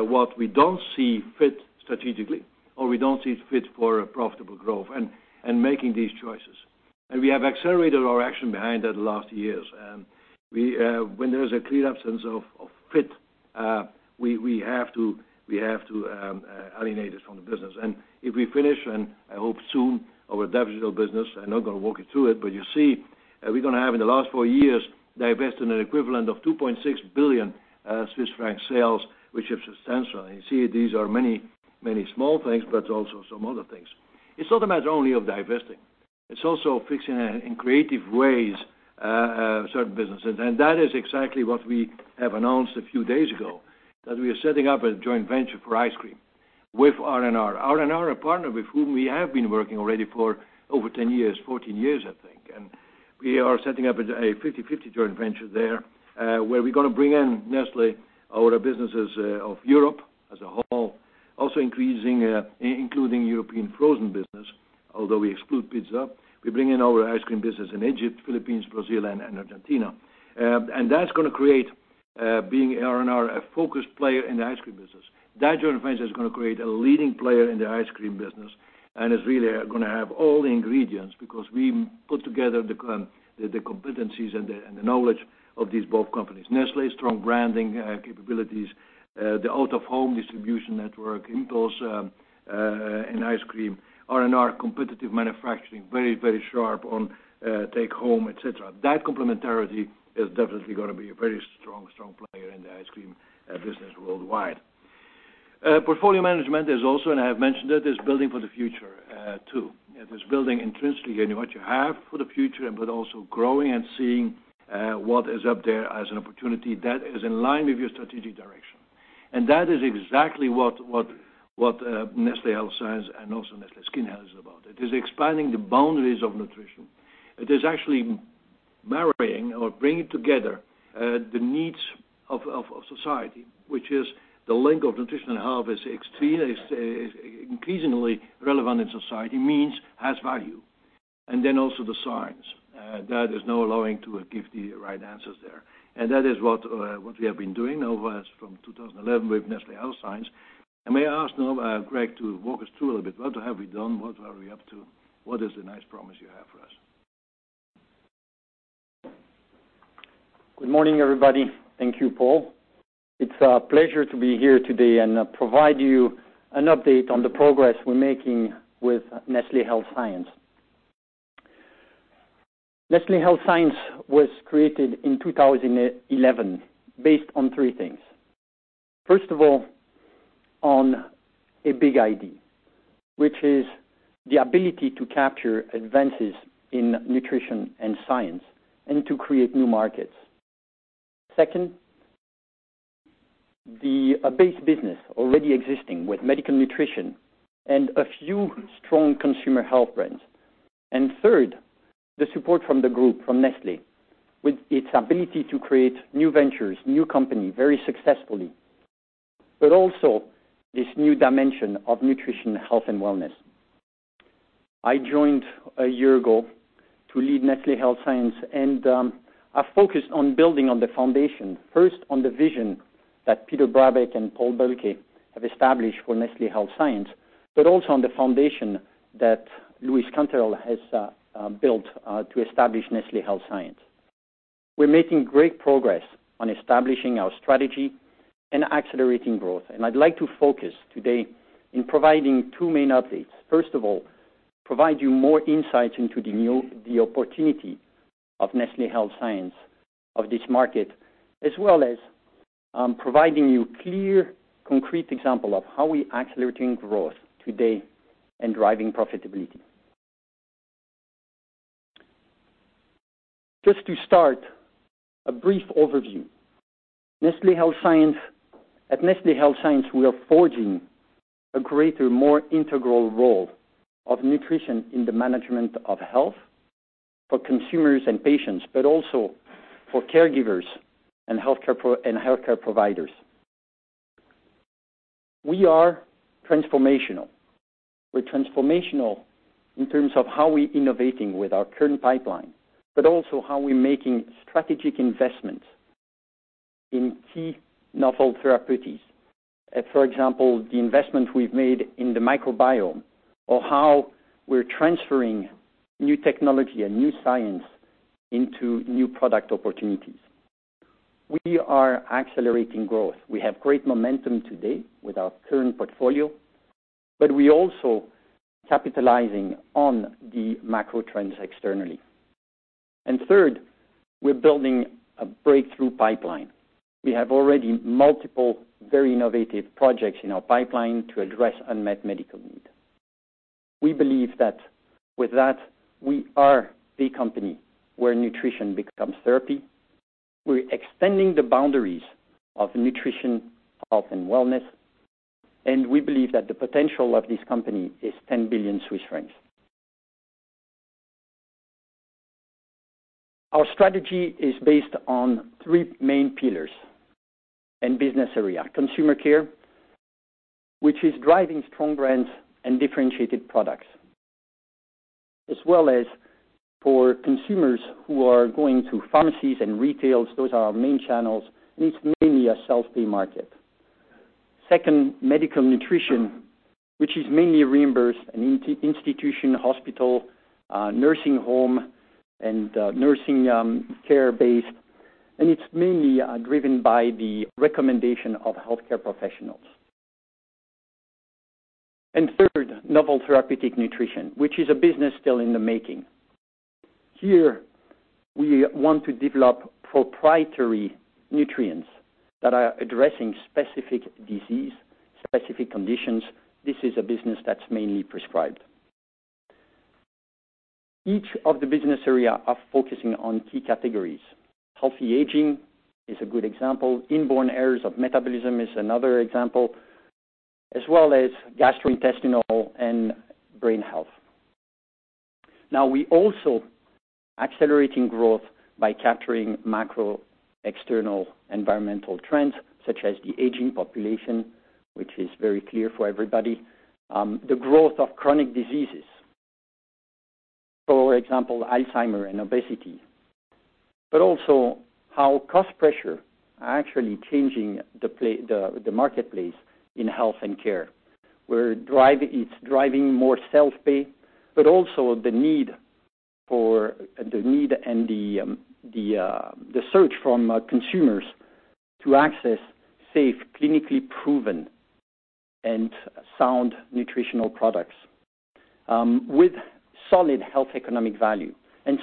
what we don't see fit strategically, or we don't see fit for profitable growth and making these choices. We have accelerated our action behind that last years. When there's a clear absence of fit, we have to alienate it from the business. If we finish, and I hope soon, our business, I'm not going to walk you through it, but you'll see we're going to have, in the last four years, divested an equivalent of 2.6 billion Swiss franc sales, which is substantial. You see these are many small things, but also some other things. It's not a matter only of divesting. It's also fixing in creative ways, certain businesses. That is exactly what we have announced a few days ago, that we are setting up a joint venture for ice cream with R&R. R&R, a partner with whom we have been working already for over 10 years, 14 years, I think. We are setting up a 50/50 joint venture there, where we're going to bring in Nestlé, our businesses of Europe as a whole, also including European frozen business. Although we exclude pizza, we bring in our ice cream business in Egypt, Philippines, Brazil, and Argentina. That's going to create, being R&R, a focused player in the ice cream business. That joint venture is going to create a leading player in the ice cream business, is really going to have all the ingredients, because we put together the competencies and the knowledge of these both companies. Nestlé strong branding capabilities, the out of home distribution network, impulse and ice cream. R&R competitive manufacturing, very sharp on take home, et cetera. That complementarity is definitely going to be a very strong player in the ice cream business worldwide. Portfolio management is also, and I have mentioned it, is building for the future, too. It is building intrinsically in what you have for the future, but also growing and seeing what is up there as an opportunity that is in line with your strategic direction. That is exactly what Nestlé Health Science and also Nestlé Skin Health is about. It is expanding the boundaries of nutrition. It is actually marrying or bringing together, the needs of society, which is the link of nutrition and health is increasingly relevant in society, means, has value. Also the science, that is now allowing to give the right answers there. That is what we have been doing over from 2011 with Nestlé Health Science. May I ask now, Greg, to walk us through a little bit, what have we done? What are we up to? What is the nice promise you have for us? Good morning, everybody. Thank you, Paul. It's a pleasure to be here today and provide you an update on the progress we're making with Nestlé Health Science. Nestlé Health Science was created in 2011 based on three things. First of all, on a big idea, which is the ability to capture advances in nutrition and science and to create new markets. Second, a base business already existing with medical nutrition and a few strong consumer health brands. Third, the support from the group, from Nestlé, with its ability to create new ventures, new company, very successfully, but also this new dimension of nutrition, health, and wellness. I joined a year ago to lead Nestlé Health Science, and I've focused on building on the foundation, first on the vision that Peter Brabeck and Paul Bulcke have established for Nestlé Health Science, but also on the foundation that Luis Cantarell has built to establish Nestlé Health Science. We're making great progress on establishing our strategy and accelerating growth. I'd like to focus today in providing two main updates. First of all, provide you more insights into the opportunity of Nestlé Health Science, of this market, as well as providing you clear, concrete example of how we accelerating growth today and driving profitability. Just to start, a brief overview. At Nestlé Health Science, we are forging a greater, more integral role of nutrition in the management of health for consumers and patients, but also for caregivers and healthcare providers. We are transformational. We're transformational in terms of how we innovating with our current pipeline, but also how we making strategic investments in key novel therapies. For example, the investment we've made in the microbiome, or how we're transferring new technology and new science into new product opportunities. We are accelerating growth. We have great momentum today with our current portfolio, but we also capitalizing on the macro trends externally. Third, we're building a breakthrough pipeline. We have already multiple, very innovative projects in our pipeline to address unmet medical need. We believe that with that, we are the company where nutrition becomes therapy. We're extending the boundaries of nutrition, health, and wellness, and we believe that the potential of this company is 10 billion Swiss francs. Our strategy is based on three main pillars and business area. Consumer Care, which is driving strong brands and differentiated products, as well as for consumers who are going to pharmacies and retails. Those are our main channels, and it's mainly a self-pay market. Second, Medical Nutrition, which is mainly reimbursed in institution, hospital, nursing home, and nursing care base, and it's mainly driven by the recommendation of healthcare professionals. Third, Novel Therapeutic Nutrition, which is a business still in the making. Here, we want to develop proprietary nutrients that are addressing specific disease, specific conditions. This is a business that's mainly prescribed. Each of the business area are focusing on key categories. Healthy aging is a good example. Inborn Errors of Metabolism is another example, as well as Gastrointestinal and Brain Health. Now we also accelerating growth by capturing macro external environmental trends, such as the aging population, which is very clear for everybody. The growth of chronic diseases, for example, Alzheimer and obesity, but also how cost pressure are actually changing the marketplace in health and care, where it's driving more self-pay, but also the need and the search from consumers to access safe, clinically proven, and sound nutritional products with solid health economic value.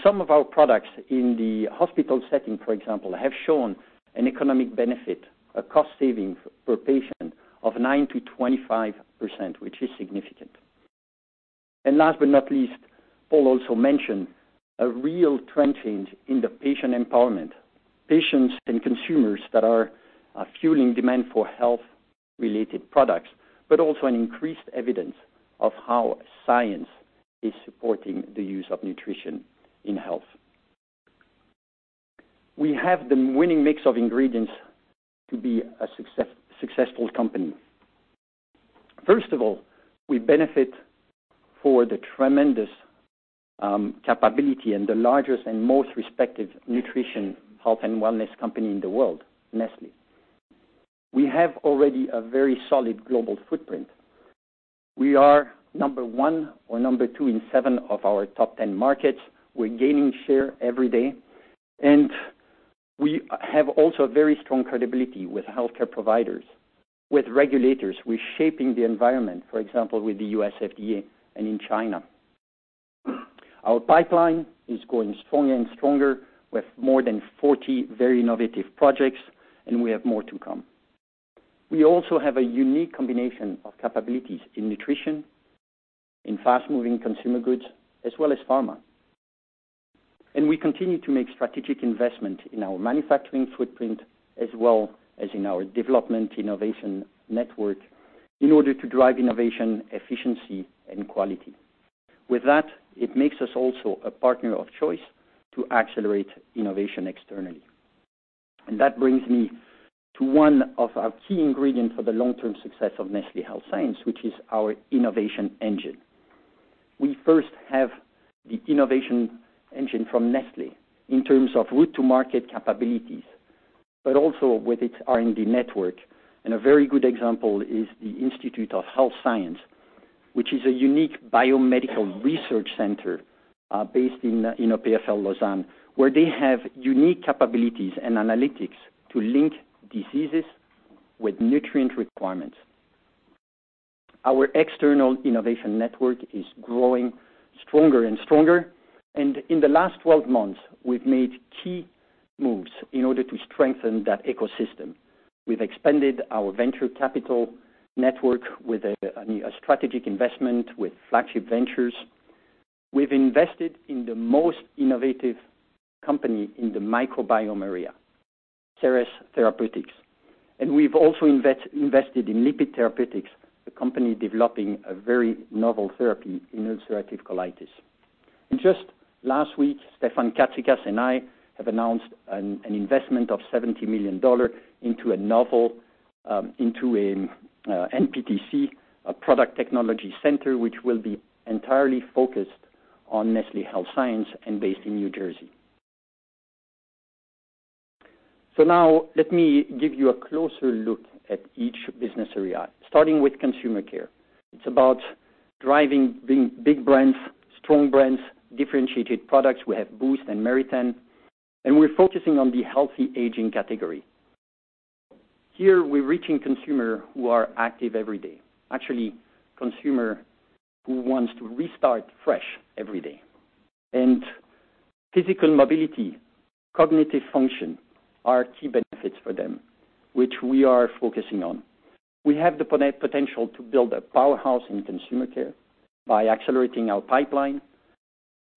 Some of our products in the hospital setting, for example, have shown an economic benefit, a cost saving per patient of 9%-25%, which is significant. Last but not least, Paul also mentioned a real trend change in the patient empowerment. Patients and consumers that are fueling demand for health-related products, but also an increased evidence of how science is supporting the use of nutrition in health. We have the winning mix of ingredients to be a successful company. First of all, we benefit from the tremendous capability and the largest and most respected nutrition, health, and wellness company in the world, Nestlé. We have already a very solid global footprint. We are number one or number two in seven of our top 10 markets. We're gaining share every day. We have also very strong credibility with healthcare providers. With regulators, we're shaping the environment, for example, with the U.S. FDA and in China. Our pipeline is growing stronger and stronger with more than 40 very innovative projects, and we have more to come. We also have a unique combination of capabilities in nutrition, in fast-moving consumer goods, as well as pharma. We continue to make strategic investment in our manufacturing footprint as well as in our development innovation network in order to drive innovation, efficiency, and quality. With that, it makes us also a partner of choice to accelerate innovation externally. That brings me to one of our key ingredients for the long-term success of Nestlé Health Science, which is our innovation engine. We first have the innovation engine from Nestlé in terms of route to market capabilities, but also with its R&D network. A very good example is the Nestlé Institute of Health Sciences, which is a unique biomedical research center based in EPFL Lausanne, where they have unique capabilities and analytics to link diseases with nutrient requirements. Our external innovation network is growing stronger and stronger. In the last 12 months, we've made key moves in order to strengthen that ecosystem. We've expanded our venture capital network with a strategic investment with Flagship Pioneering. We've invested in the most innovative company in the microbiome area, Seres Therapeutics. We've also invested in Lipid Therapeutics, the company developing a very novel therapy in ulcerative colitis. Just last week, Stefan Catsicas and I have announced an investment of $70 million into a NPTC, a product technology center, which will be entirely focused on Nestlé Health Science and based in New Jersey. Now let me give you a closer look at each business area, starting with consumer care. It's about driving big brands, strong brands, differentiated products. We have BOOST and Meritene. We're focusing on the healthy aging category. Here, we're reaching consumer who are active every day. Actually, consumer who wants to restart fresh every day. Physical mobility, cognitive function are key benefits for them, which we are focusing on. We have the potential to build a powerhouse in consumer care by accelerating our pipeline,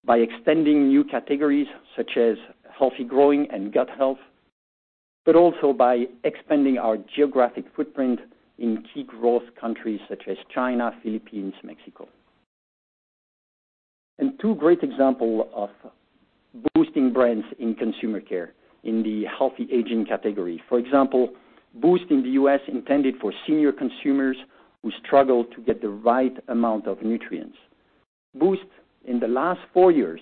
by extending new categories such as healthy growing and gut health, but also by expanding our geographic footprint in key growth countries such as China, Philippines, Mexico. Two great example of boosting brands in consumer care in the healthy aging category. For example, BOOST in the U.S. intended for senior consumers who struggle to get the right amount of nutrients. BOOST, in the last four years,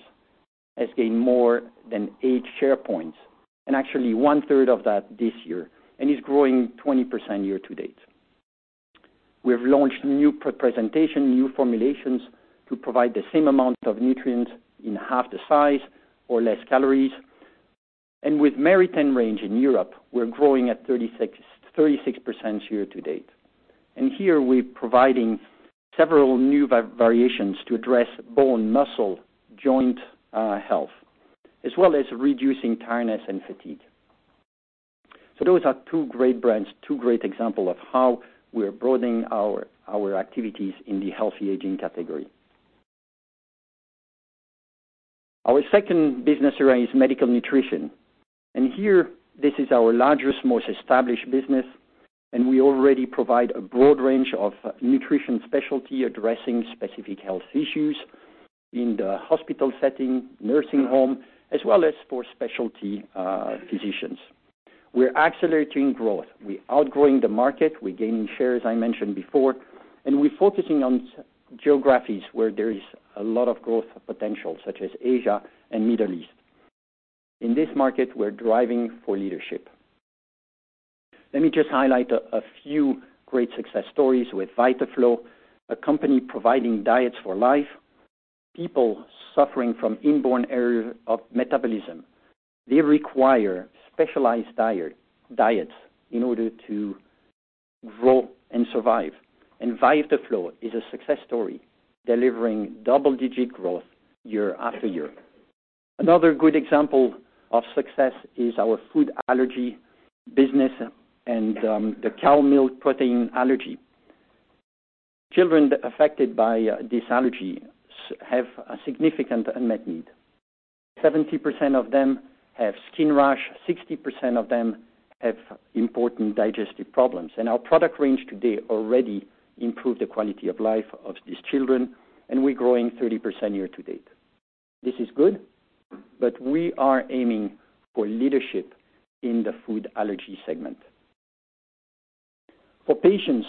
has gained more than eight share points, and actually one-third of that this year, and is growing 20% year to date. We have launched new presentation, new formulations to provide the same amount of nutrients in half the size or less calories. With Meritene range in Europe, we're growing at 36% year to date. Here we're providing several new variations to address bone, muscle, joint health, as well as reducing tiredness and fatigue. Those are two great brands, two great example of how we're broadening our activities in the healthy aging category. Our second business area is medical nutrition. Here, this is our largest, most established business, and we already provide a broad range of nutrition specialty addressing specific health issues in the hospital setting, nursing home, as well as for specialty physicians. We're accelerating growth. We're outgrowing the market, we're gaining shares, I mentioned before, and we're focusing on geographies where there is a lot of growth potential, such as Asia and Middle East. In this market, we're driving for leadership. Let me just highlight a few great success stories with Vitaflo, a company providing diets for life. People suffering from inborn error of metabolism, they require specialized diets in order to grow and survive. Vitaflo is a success story, delivering double-digit growth year after year. Another good example of success is our food allergy business and the cow milk protein allergy. Children affected by this allergy have a significant unmet need. 70% of them have skin rash, 60% of them have important digestive problems. Our product range today already improved the quality of life of these children, and we're growing 30% year to date. This is good, but we are aiming for leadership in the food allergy segment. For patients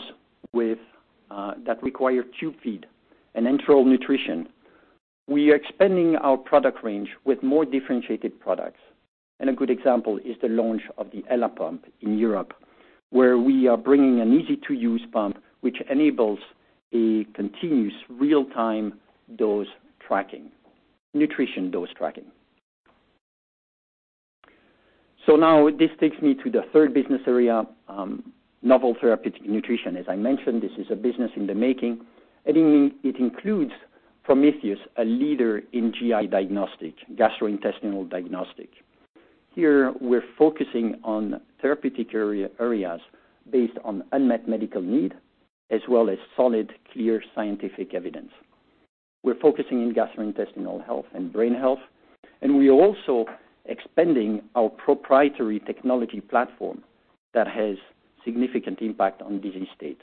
that require tube feed and enteral nutrition, we are expanding our product range with more differentiated products. A good example is the launch of the Ella pump in Europe, where we are bringing an easy-to-use pump, which enables a continuous real-time dose tracking, nutrition dose tracking. Now this takes me to the third business area, novel therapeutic nutrition. As I mentioned, this is a business in the making. It includes Prometheus, a leader in GI diagnostic, gastrointestinal diagnostic. Here we're focusing on therapeutic areas based on unmet medical need as well as solid, clear scientific evidence. We're focusing in gastrointestinal health and brain health, and we are also expanding our proprietary technology platform that has significant impact on disease state.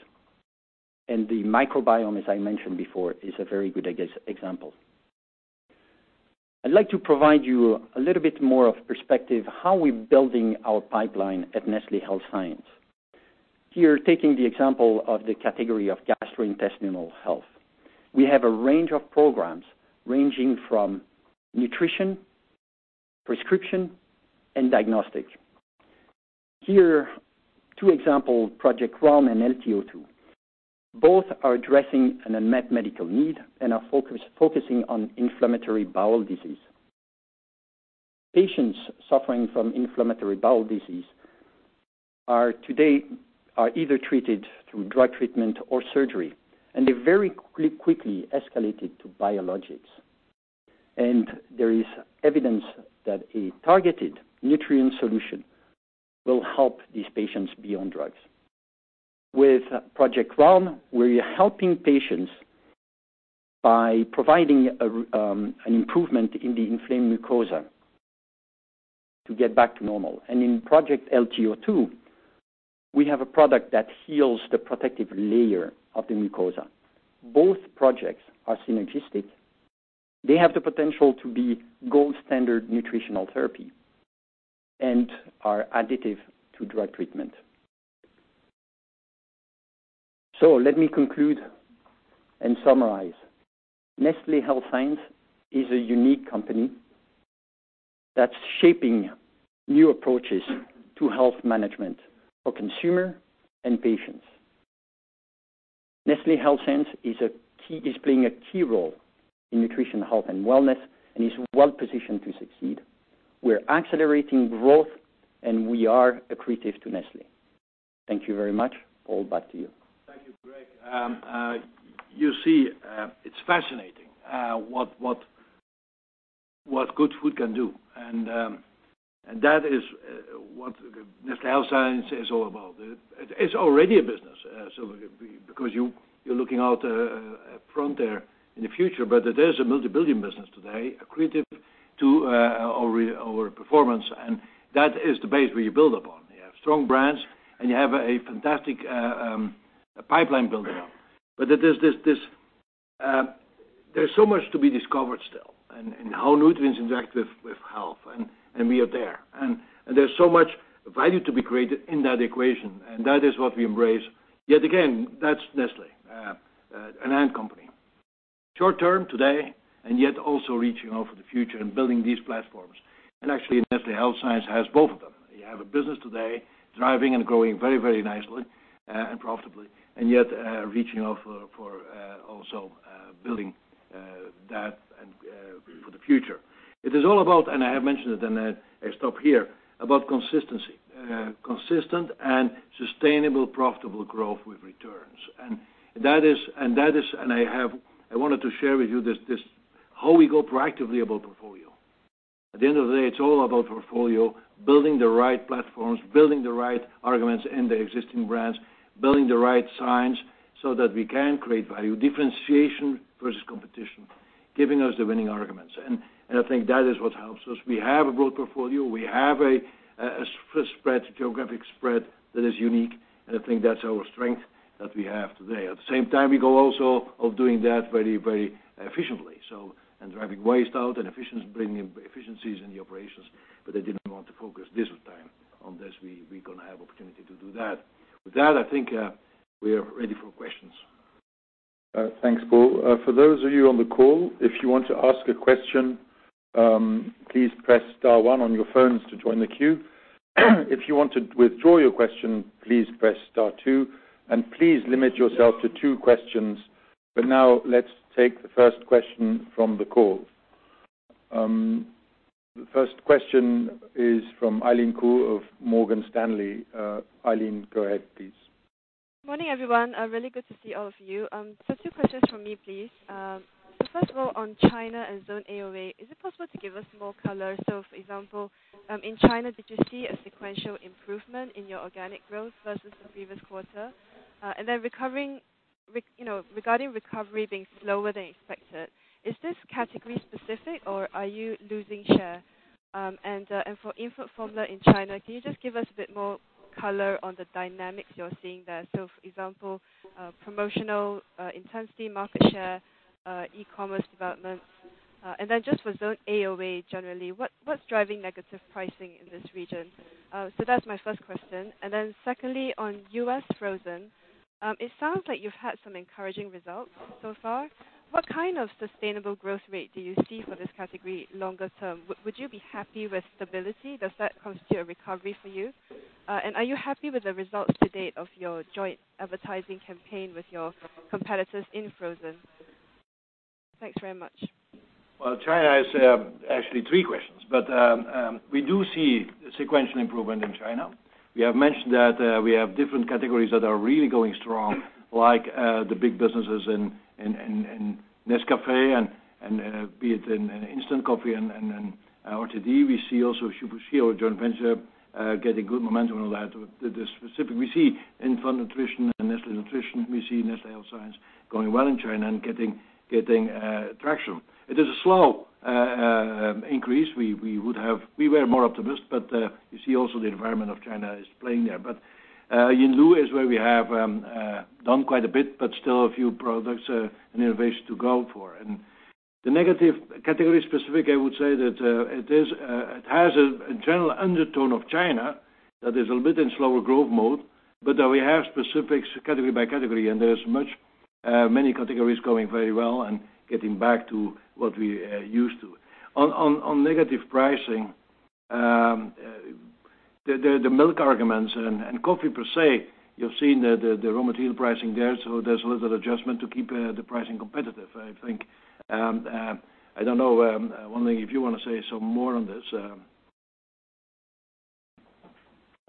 The microbiome, as I mentioned before, is a very good example. I'd like to provide you a little bit more of perspective how we're building our pipeline at Nestlé Health Science. Here, taking the example of the category of gastrointestinal health. We have a range of programs ranging from nutrition, prescription, and diagnostic. Here, two example, Project Rom and LT-02. Both are addressing an unmet medical need and are focusing on inflammatory bowel disease. Patients suffering from inflammatory bowel disease today are either treated through drug treatment or surgery, and they very quickly escalated to biologics. There is evidence that a targeted nutrient solution will help these patients beyond drugs. With Project Rom, we are helping patients by providing an improvement in the inflamed mucosa to get back to normal. In project LT-02, we have a product that heals the protective layer of the mucosa. Both projects are synergistic. They have the potential to be gold standard nutritional therapy and are additive to drug treatment. Let me conclude and summarize. Nestlé Health Science is a unique company that's shaping new approaches to health management for consumer and patients. Nestlé Health Science is playing a key role in nutrition, health, and wellness and is well positioned to succeed. We're accelerating growth, and we are accretive to Nestlé. Thank you very much. Paul, back to you. Thank you, Greg. You see, it's fascinating what good food can do. That is what Nestlé Health Science is all about. It's already a business, because you're looking out a frontier in the future, but it is a multi-billion business today, accretive to our performance, and that is the base where you build upon. You have strong brands, and you have a fantastic pipeline building up. There's so much to be discovered still in how nutrients interact with health, and we are there. There's so much value to be created in that equation. That is what we embrace. Yet again, that's Nestlé, an AND company. Short term today, and yet also reaching out for the future and building these platforms. Actually, Nestlé Health Science has both of them. You have a business today thriving and growing very nicely and profitably. Yet, reaching out for also building that and for the future. It is all about, I have mentioned it, and I stop here, about consistency. Consistent and sustainable profitable growth with returns. I wanted to share with you how we go proactively about portfolio. At the end of the day, it's all about portfolio, building the right platforms, building the right arguments in the existing brands, building the right signs so that we can create value differentiation versus competition, giving us the winning arguments. I think that is what helps us. We have a broad portfolio. We have a spread, geographic spread that is unique. I think that's our strength that we have today. At the same time, we go also of doing that very efficiently. Driving waste out and bringing efficiencies in the operations. I didn't want to focus this time on this. We're going to have opportunity to do that. With that, I think we are ready for questions. Thanks, Paul. For those of you on the call, if you want to ask a question, please press star one on your phones to join the queue. If you want to withdraw your question, please press star two, and please limit yourself to two questions. Now let's take the first question from the call. The first question is from Eileen Khoo of Morgan Stanley. Eileen, go ahead, please. Morning, everyone. Really good to see all of you. Two questions from me, please. First of all, on China and Zone AOA, is it possible to give us more color? For example, in China, did you see a sequential improvement in your organic growth versus the previous quarter? Regarding recovery being slower than expected, is this category specific or are you losing share? For infant formula in China, can you just give us a bit more color on the dynamics you're seeing there? For example, promotional intensity, market share, e-commerce development. Just for Zone AOA, generally, what's driving negative pricing in this region? That's my first question. Secondly, on U.S. frozen, it sounds like you've had some encouraging results so far. What kind of sustainable growth rate do you see for this category longer term? Would you be happy with stability? Does that constitute a recovery for you? Are you happy with the results to date of your joint advertising campaign with your competitors in frozen? Thanks very much. Well, China is actually three questions, but we do see sequential improvement in China. We have mentioned that we have different categories that are really going strong, like the big businesses in Nescafé and be it in instant coffee and RTD. We see also Yinlu Xiaoyang Joint Venture getting good momentum on that. With this specific, we see infant nutrition and Nestlé Nutrition. We see Nestlé Health Science going well in China and getting traction. It is a slow increase. We were more optimist, but you see also the environment of China is playing there. Yinlu is where we have done quite a bit, but still a few products and innovation to go for. The negative category specific, I would say that it has a general undertone of China that is a little bit in slower growth mode, that we have specifics category by category, there's many categories going very well and getting back to what we're used to. On negative pricing, the milk arguments and coffee per se, you've seen the raw material pricing there, so there's a little adjustment to keep the pricing competitive, I think. I don't know, Wan-Ling, if you want to say some more on this. In terms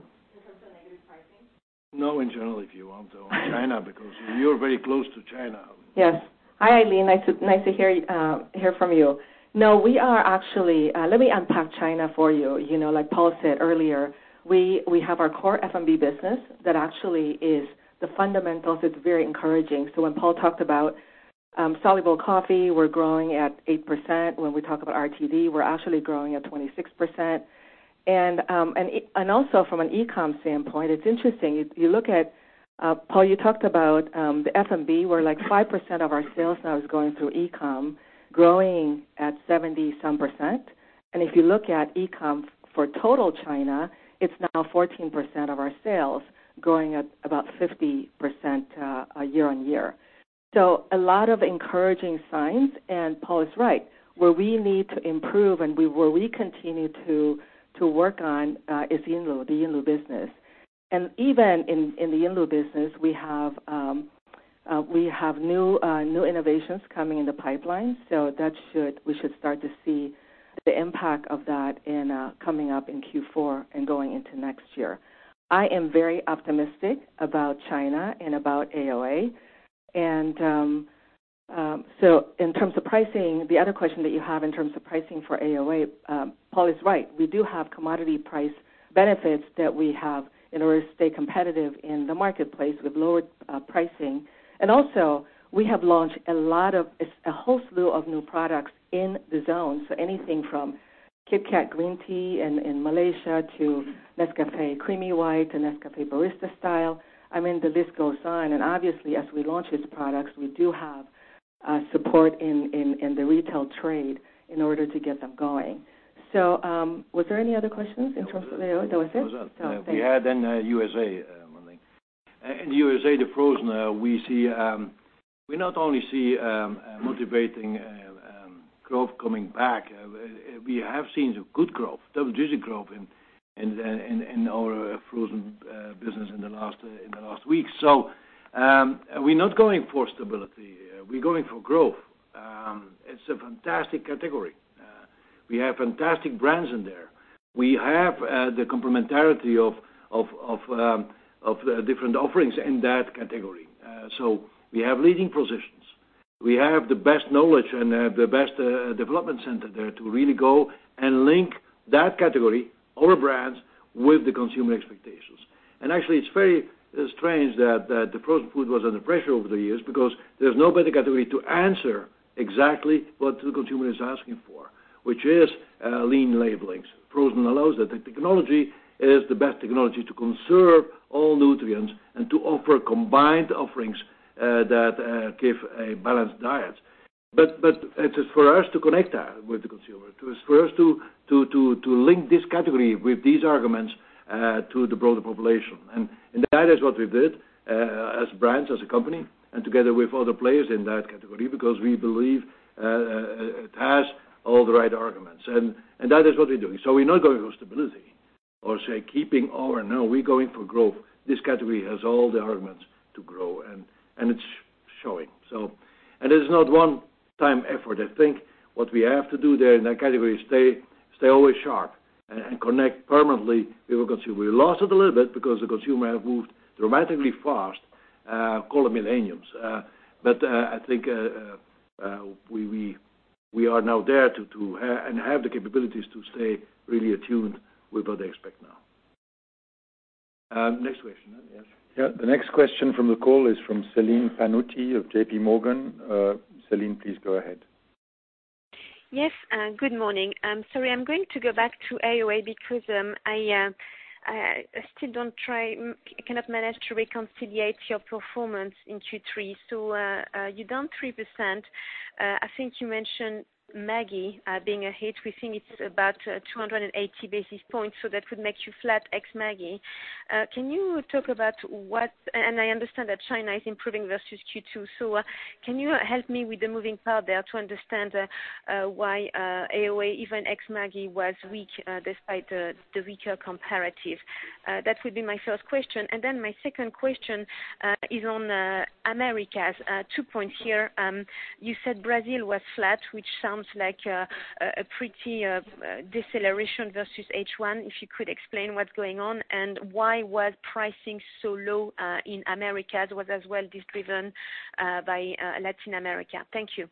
of negative pricing? No, in general, if you want on China, because you're very close to China. Yes. Hi, Eileen. Nice to hear from you. No, let me unpack China for you. Like Paul said earlier, we have our core F&B business that actually is the fundamentals. It's very encouraging. When Paul talked about soluble coffee, we're growing at 8%. When we talk about RTD, we're actually growing at 26%. Also from an e-com standpoint, it's interesting. You look at, Paul, you talked about the F&B, where 5% of our sales now is going through e-com, growing at 70 some percent. If you look at e-com for total China, it's now 14% of our sales growing at about 50% year-over-year. A lot of encouraging signs, and Paul is right. Where we need to improve and where we continue to work on is Yinlu, the Yinlu business. Even in the Yinlu business, we have new innovations coming in the pipeline. We should start to see the impact of that coming up in Q4 and going into next year. I am very optimistic about China and about AOA. In terms of pricing, the other question that you have in terms of pricing for AOA, Paul is right. We do have commodity price benefits that we have in order to stay competitive in the marketplace with lower pricing. We have launched a whole slew of new products in the zone. Anything from KitKat Green Tea in Malaysia to Nescafé Creamy White and Nescafé Barista Style. I mean, the list goes on, and obviously as we launch these products, we do have support in the retail trade in order to get them going. Was there any other questions in terms of that? That was it? That was all. Okay. We had USA, Wan-Ling. In USA, the frozen, we not only see motivating growth coming back, we have seen some good growth, double-digit growth in our frozen business in the last week. We're not going for stability. We're going for growth. It's a fantastic category. We have fantastic brands in there. We have the complementarity of the different offerings in that category. We have leading positions. We have the best knowledge and the best development center there to really go and link that category, our brands, with the consumer expectations. Actually, it's very strange that the frozen food was under pressure over the years because there's no better category to answer exactly what the consumer is asking for, which is clean labeling. Frozen allows that. The technology is the best technology to conserve all nutrients and to offer combined offerings that give a balanced diet. It is for us to connect that with the consumer, for us to link this category with these arguments to the broader population. That is what we did as brands, as a company, and together with other players in that category, because we believe it has all the right arguments. That is what we are doing. We are not going for stability or say keeping over. No, we are going for growth. This category has all the arguments to grow, and it is showing. It is not one time effort. I think what we have to do there in that category is stay always sharp and connect permanently with the consumer. We lost it a little bit because the consumer have moved dramatically fast, call them millennials. I think we are now there and have the capabilities to stay really attuned with what they expect now. Next question. Yes? Yeah. The next question from the call is from Celine Pannuti of JPMorgan. Celine, please go ahead. Yes, good morning. Sorry, I am going to go back to AOA because I still cannot manage to reconcile your performance in Q3. So you are down 3%. I think you mentioned Maggi being a hit. We think it is about 280 basis points, so that would make you flat ex Maggi. I understand that China is improving versus Q2, so can you help me with the moving part there to understand why AOA, even ex Maggi, was weak despite the weaker comparative? That would be my first question. My second question is on Americas. Two points here. You said Brazil was flat, which sounds like a pretty deceleration versus H1, if you could explain what is going on, and why was pricing so low in Americas? Was as well this driven by Latin America? Thank you.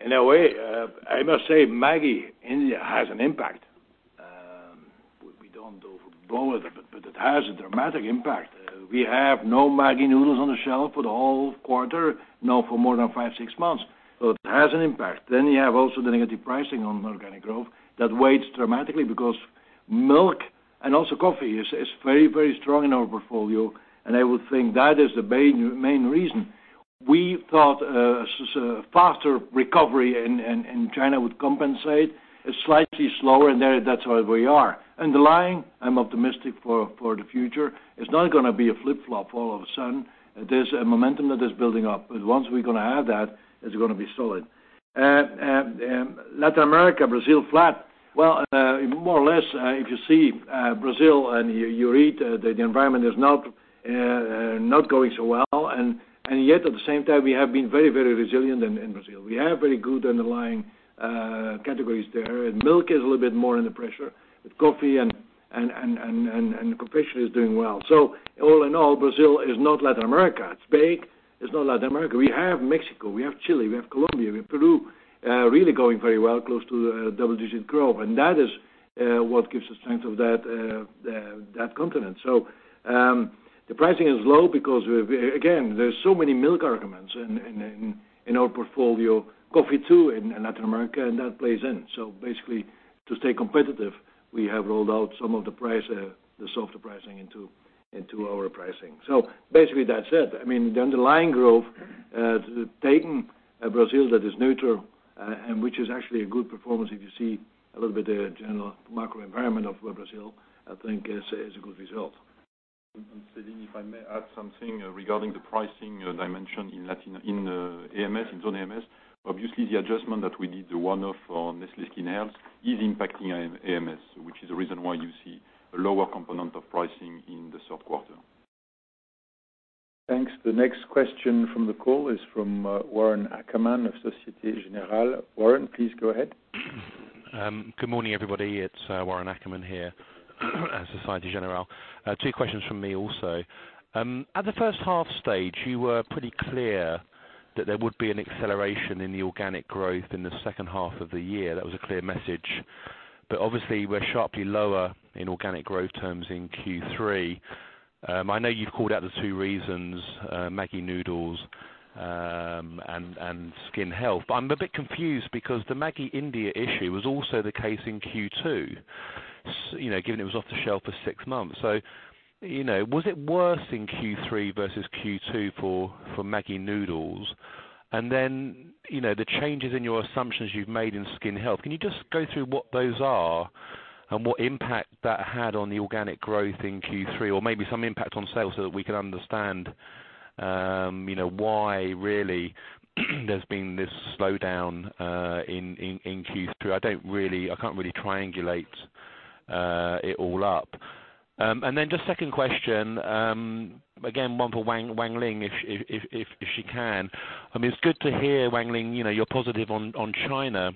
In a way, I must say Maggi India has an impact. We do not overblow it, but it has a dramatic impact. We have no Maggi noodles on the shelf for the whole quarter, now for more than five, six months. So it has an impact. Then you have also the negative pricing on organic growth that weights dramatically because milk and also coffee is very strong in our portfolio, and I would think that is the main reason. We thought a faster recovery in China would compensate. It is slightly slower in there. That is why we are. Underlying, I am optimistic for the future. It is not going to be a flip-flop all of a sudden. There is a momentum that is building up, but once we are going to have that, it is going to be solid. Latin America, Brazil flat. Well, more or less, if you see Brazil and you read that the environment is not going so well, yet at the same time, we have been very resilient in Brazil. We have very good underlying categories there. Milk is a little bit more under pressure, coffee and compression is doing well. All in all, Brazil is not Latin America. It's big. It's not Latin America. We have Mexico. We have Chile. We have Colombia. We have Peru, really going very well, close to double-digit growth. That is what gives the strength of that continent. The pricing is low because, again, there's so many milk arguments in our portfolio, coffee too in Latin America, and that plays in. Basically, to stay competitive, we have rolled out some of the softer pricing into our pricing. Basically, that's it. The underlying growth, taking Brazil that is neutral, which is actually a good performance if you see a little bit the general macro environment of where Brazil, I think is a good result. Celine, if I may add something regarding the pricing dimension in zone AMS. Obviously, the adjustment that we did, the one-off on Nestlé Skin Health is impacting AMS, which is the reason why you see a lower component of pricing in the third quarter. Thanks. The next question from the call is from Warren Ackerman of Société Générale. Warren, please go ahead. Good morning, everybody. It's Warren Ackerman here, Société Générale. Two questions from me also. At the first-half stage, you were pretty clear that there would be an acceleration in the organic growth in the second half of the year. That was a clear message. Obviously, we're sharply lower in organic growth terms in Q3. I know you've called out the two reasons, Maggi noodles and Skin Health. I'm a bit confused because the Maggi India issue was also the case in Q2, given it was off the shelf for 6 months. Was it worse in Q3 versus Q2 for Maggi noodles? The changes in your assumptions you've made in Skin Health, can you just go through what those are and what impact that had on the organic growth in Q3 or maybe some impact on sales so that we can understand why really there's been this slowdown in Q3? I can't really triangulate it all up. Second question, again, one for Wan-Ling, if she can. It's good to hear, Wan-Ling, you're positive on China.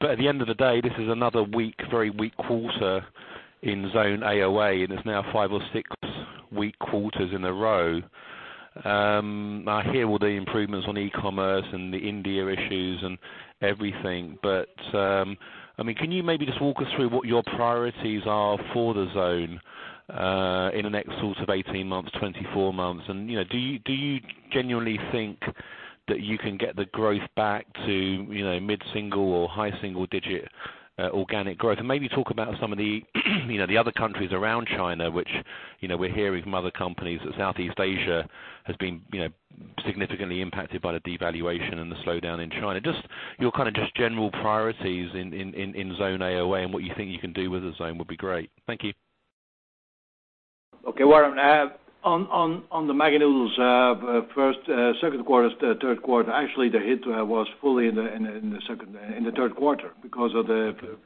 At the end of the day, this is another very weak quarter in zone AOA, and it's now five or six weak quarters in a row. I hear all the improvements on e-commerce and the India issues and everything, can you maybe just walk us through what your priorities are for the zone in the next sort of 18 months, 24 months? Do you genuinely think that you can get the growth back to mid-single or high single digit organic growth? Maybe talk about some of the other countries around China. We're hearing from other companies that Southeast Asia has been significantly impacted by the devaluation and the slowdown in China. Your kind of general priorities in zone AOA and what you think you can do with the zone would be great. Thank you. Okay, Warren. On the Maggi noodles, first, second quarter, third quarter, actually, the hit was fully in the third quarter because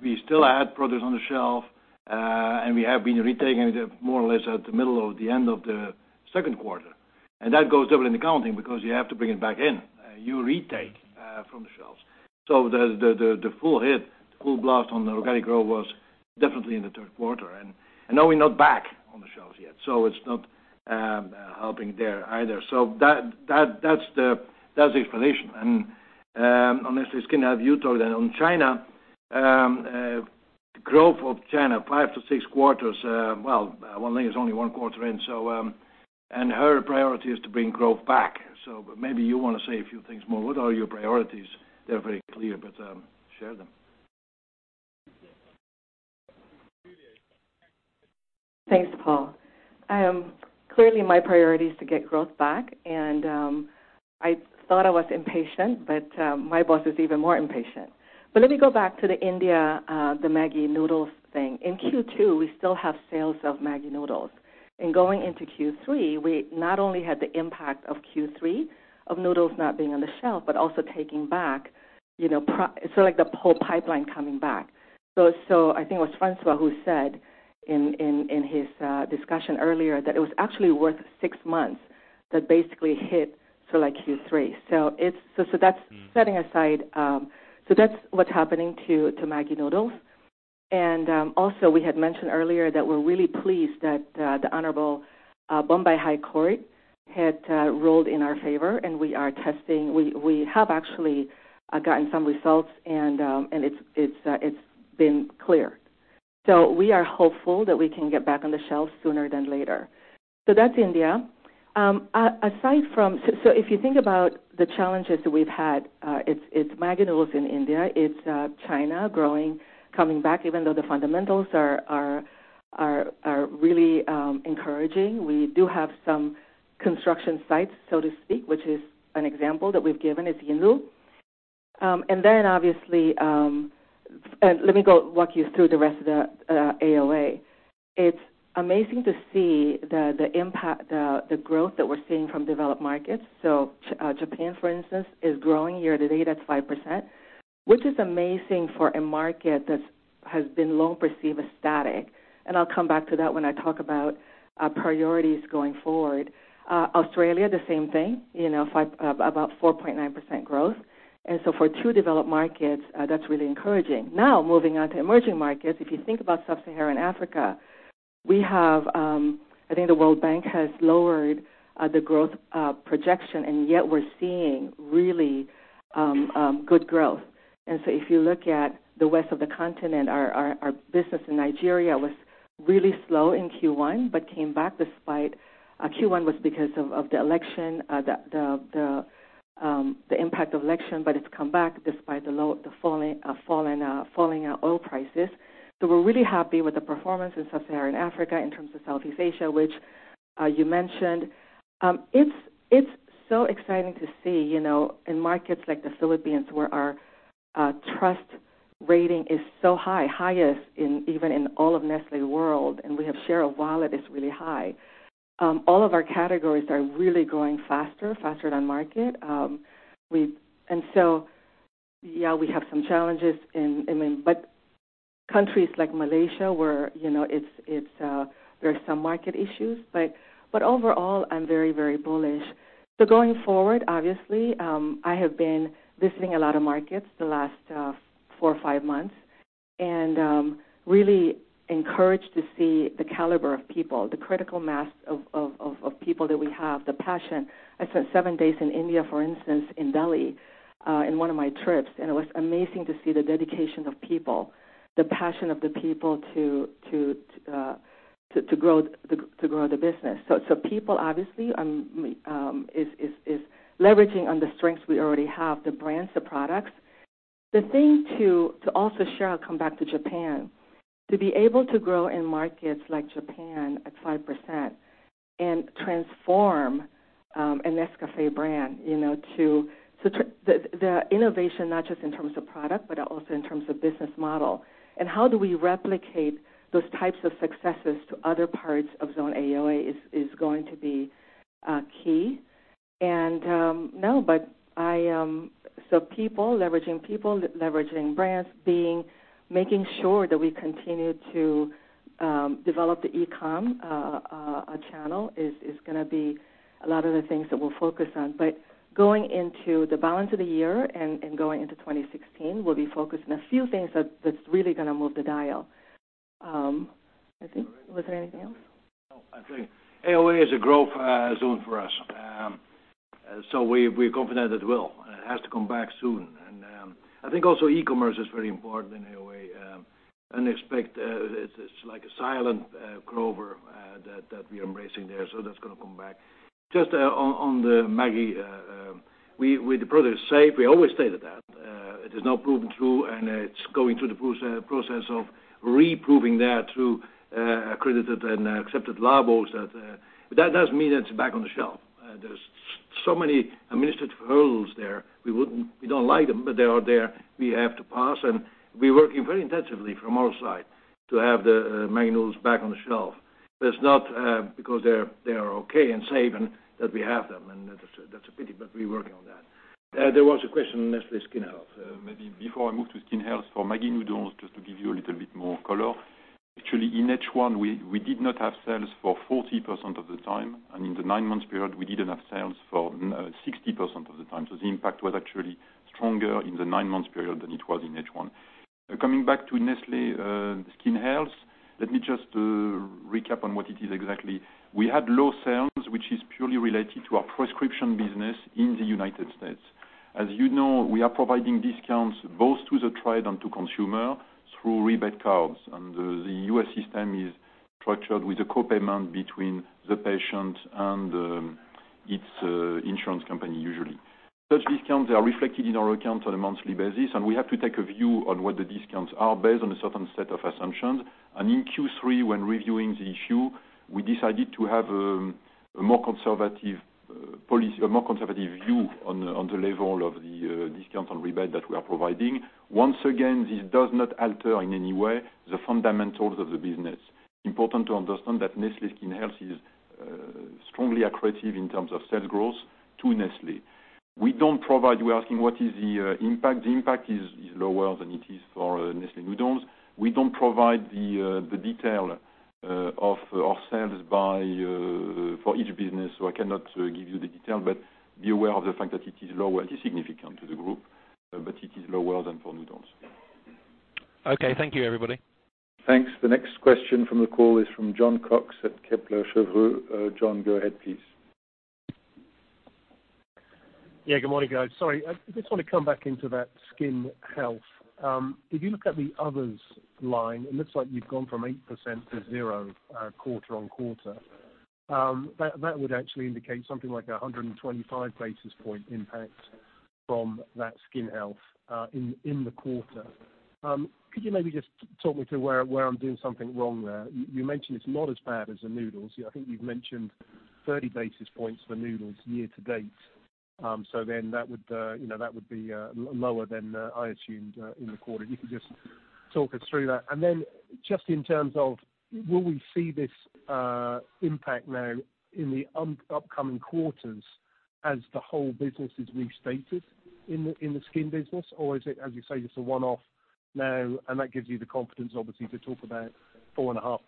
we still had products on the shelf, and we have been retaking it more or less at the middle or the end of the second quarter. That goes double in accounting because you have to bring it back in. You retake from the shelves. The full hit, the full blast on the organic growth was definitely in the third quarter, and now we're not back on the shelves yet, so it's not helping there either. That's the explanation. Unless Skinna, have you talked on China? Growth of China, five to six quarters, well, one thing, it's only one quarter in, and her priority is to bring growth back. Maybe you want to say a few things more. What are your priorities? They're very clear, share them. Thanks, Paul. Clearly, my priority is to get growth back. I thought I was impatient, but my boss is even more impatient. Let me go back to the India Maggi noodles thing. In Q2, we still have sales of Maggi noodles. In going into Q3, we not only had the impact of Q3 of noodles not being on the shelf, but also taking back the whole pipeline coming back. I think it was François who said in his discussion earlier that it was actually worth six months that basically hit Q3. That's setting aside that's what's happening to Maggi noodles. Also, we had mentioned earlier that we're really pleased that the honorable Bombay High Court had ruled in our favor, and we are testing. We have actually gotten some results, and it's been clear. We are hopeful that we can get back on the shelf sooner than later. That's India. If you think about the challenges that we've had, it's Maggi noodles in India, it's China growing, coming back, even though the fundamentals are really encouraging. We do have some construction sites, so to speak, which is an example that we've given is Yinlu. Let me walk you through the rest of the AOA. It's amazing to see the growth that we're seeing from developed markets. Japan, for instance, is growing year-to-date at 5%, which is amazing for a market that has been long perceived as static, and I'll come back to that when I talk about priorities going forward. Australia, the same thing, about 4.9% growth. For two developed markets, that's really encouraging. Moving on to emerging markets, if you think about Sub-Saharan Africa, I think the World Bank has lowered the growth projection, yet we're seeing really good growth. If you look at the west of the continent, our business in Nigeria was really slow in Q1, but came back. Q1 was because of the impact of election, but it's come back despite the falling oil prices. We're really happy with the performance in Sub-Saharan Africa. In terms of Southeast Asia, which you mentioned, it's so exciting to see in markets like the Philippines, where our trust rating is so high, highest even in all of Nestlé World, and we have share of wallet is really high. All of our categories are really growing faster than market. Yeah, we have some challenges, but countries like Malaysia, where there are some market issues. Overall, I'm very bullish. Going forward, obviously, I have been visiting a lot of markets the last four or five months and really encouraged to see the caliber of people, the critical mass of people that we have, the passion. I spent seven days in India, for instance, in Delhi, in one of my trips, and it was amazing to see the dedication of people, the passion of the people to grow the business. People, obviously, is leveraging on the strengths we already have, the brands, the products. The thing to also share, I'll come back to Japan. To be able to grow in markets like Japan at 5% and transform a Nescafé brand. The innovation, not just in terms of product, but also in terms of business model, and how do we replicate those types of successes to other parts of Zone AOA is going to be key. People, leveraging people, leveraging brands, making sure that we continue to develop the e-commerce channel is going to be a lot of the things that we'll focus on. Going into the balance of the year and going into 2016, we'll be focused on a few things that's really going to move the dial. I think, was there anything else? No. I think AOA is a growth zone for us. We're confident it will. It has to come back soon. I think also e-commerce is very important in a way, and expect it's like a silent grower that we are embracing there. That's going to come back. Just on the Maggi, the product is safe. We always stated that. It is now proven true, and it's going through the process of reproving that through accredited and accepted labos. That doesn't mean it's back on the shelf. There's so many administrative hurdles there. We don't like them, but they are there. We have to pass, and we're working very intensively from our side to have the Maggi noodles back on the shelf. It's not because they are okay and safe, and that we have them, and that's a pity, but we're working on that. There was a question on Nestlé Skin Health. Maybe before I move to Skin Health, for Maggi noodles, just to give you a little bit more color. Actually, in H1, we did not have sales for 40% of the time, and in the nine-month period, we didn't have sales for 60% of the time. The impact was actually stronger in the nine-month period than it was in H1. Coming back to Nestlé Skin Health, let me just recap on what it is exactly. We had low sales, which is purely related to our prescription business in the United States. As you know, we are providing discounts both to the trade and to consumer through rebate cards, and the U.S. system is structured with a co-payment between the patient and its insurance company usually. Such discounts are reflected in our accounts on a monthly basis, we have to take a view on what the discounts are based on a certain set of assumptions. In Q3, when reviewing the issue, we decided to have a more conservative view on the level of the discount on rebate that we are providing. Once again, this does not alter in any way the fundamentals of the business. Important to understand that Nestlé Skin Health is strongly accretive in terms of sales growth to Nestlé. You are asking what is the impact. The impact is lower than it is for Nestlé noodles. We don't provide the detail of sales for each business. I cannot give you the detail, but be aware of the fact that it is lower. It is significant to the group, but it is lower than for noodles. Okay. Thank you, everybody. Thanks. The next question from the call is from Jon Cox at Kepler Cheuvreux. Jon, go ahead, please. Yeah, good morning, guys. Sorry, I just want to come back into that Skin Health. If you look at the others line, it looks like you've gone from 8% to zero quarter on quarter. That would actually indicate something like 125 basis point impact from that Skin Health in the quarter. Could you maybe just talk me through where I'm doing something wrong there? You mentioned it's not as bad as the noodles. I think you've mentioned 30 basis points for noodles year to date. That would be lower than I assumed in the quarter. You could just talk us through that. Just in terms of will we see this impact now in the upcoming quarters as the whole business is restated in the skin business, or is it, as you say, just a one-off now, that gives you the confidence, obviously, to talk about 4.5%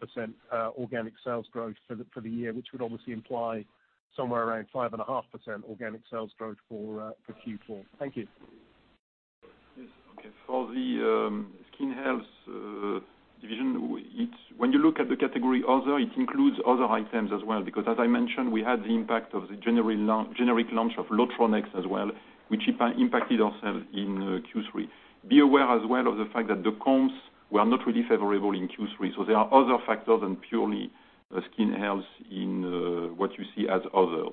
organic sales growth for the year, which would obviously imply somewhere around 5.5% organic sales growth for Q4. Thank you. Yes. Okay. For the Skin Health division, when you look at the category Other, it includes other items as well, because as I mentioned, we had the impact of the generic launch of Lotronex as well, which impacted our sales in Q3. Be aware as well of the fact that the comps were not really favorable in Q3. There are other factors than purely Skin Health in what you see as Others.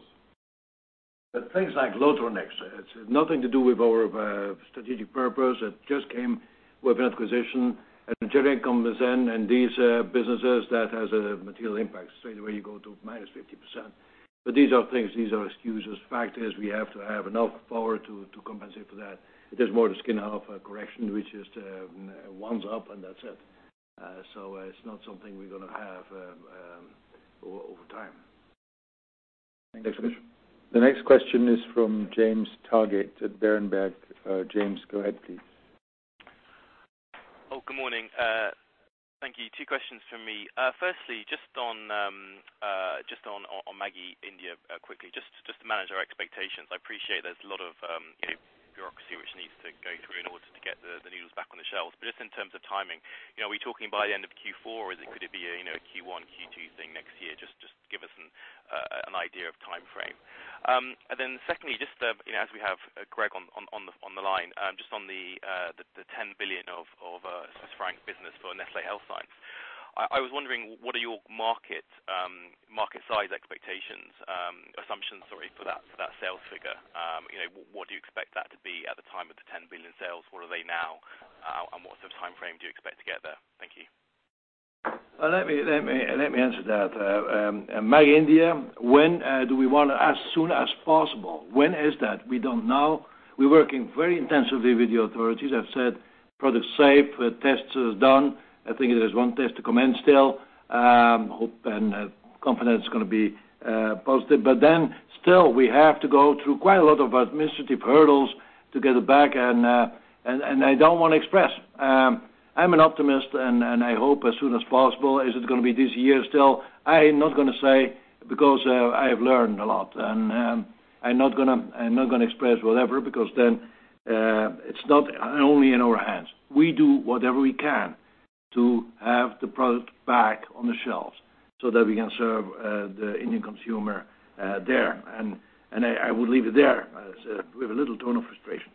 Things like Lotronex, it's nothing to do with our strategic purpose. It just came with an acquisition, and generic comes in, and these businesses that has a material impact. Straight away you go to minus 50%. These are things, these are excuses. Fact is, we have to have enough power to compensate for that. It is more the Skin Health correction, which is just a once up, and that's it. It's not something we're going to have over time. Thanks. Next question. The next question is from James Targett at Berenberg. James, go ahead please. Oh, good morning. Thank you. Two questions from me. Firstly, just on Maggi India quickly, just to manage our expectations. I appreciate there's a lot of bureaucracy which needs to go through in order to get the noodles back on the shelves. Just in terms of timing, are we talking by the end of Q4, or could it be a Q1, Q2 thing next year? Just give us an idea of timeframe. Secondly, just as we have Greg on the line, just on the 10 billion of Swiss franc business for Nestlé Health Science. I was wondering, what are your market size expectations, assumptions, sorry, for that sales figure? What do you expect that to be at the time of the 10 billion sales? What are they now? What sort of timeframe do you expect to get there? Thank you. Let me answer that. Maggi India, when do we want it? As soon as possible. When is that? We don't know. We're working very intensively with the authorities. I've said product's safe, test is done. I think there's one test to come in still. Hope and confident it's going to be positive. Still, we have to go through quite a lot of administrative hurdles to get it back, I don't want to express I'm an optimist, I hope as soon as possible. Is it going to be this year still? I am not going to say because I have learned a lot, I'm not going to express whatever, because it's not only in our hands. We do whatever we can to have the product back on the shelves so that we can serve the Indian consumer there. I will leave it there, with a little tone of frustration.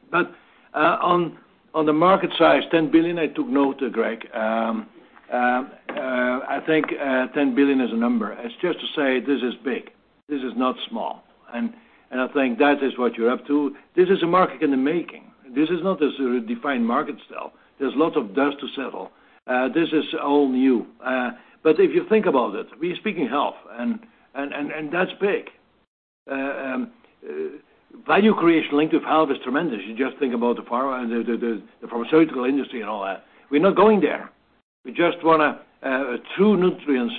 On the market size, 10 billion, I took note, Greg. I think 10 billion is a number. It's just to say, this is big. This is not small. I think that is what you're up to. This is a market in the making. This is not a defined market still. There's lots of dust to settle. This is all new. If you think about it, we're speaking health, that's big. Value creation linked with health is tremendous. You just think about the pharmaceutical industry and all that. We're not going there. We just want true nutrients,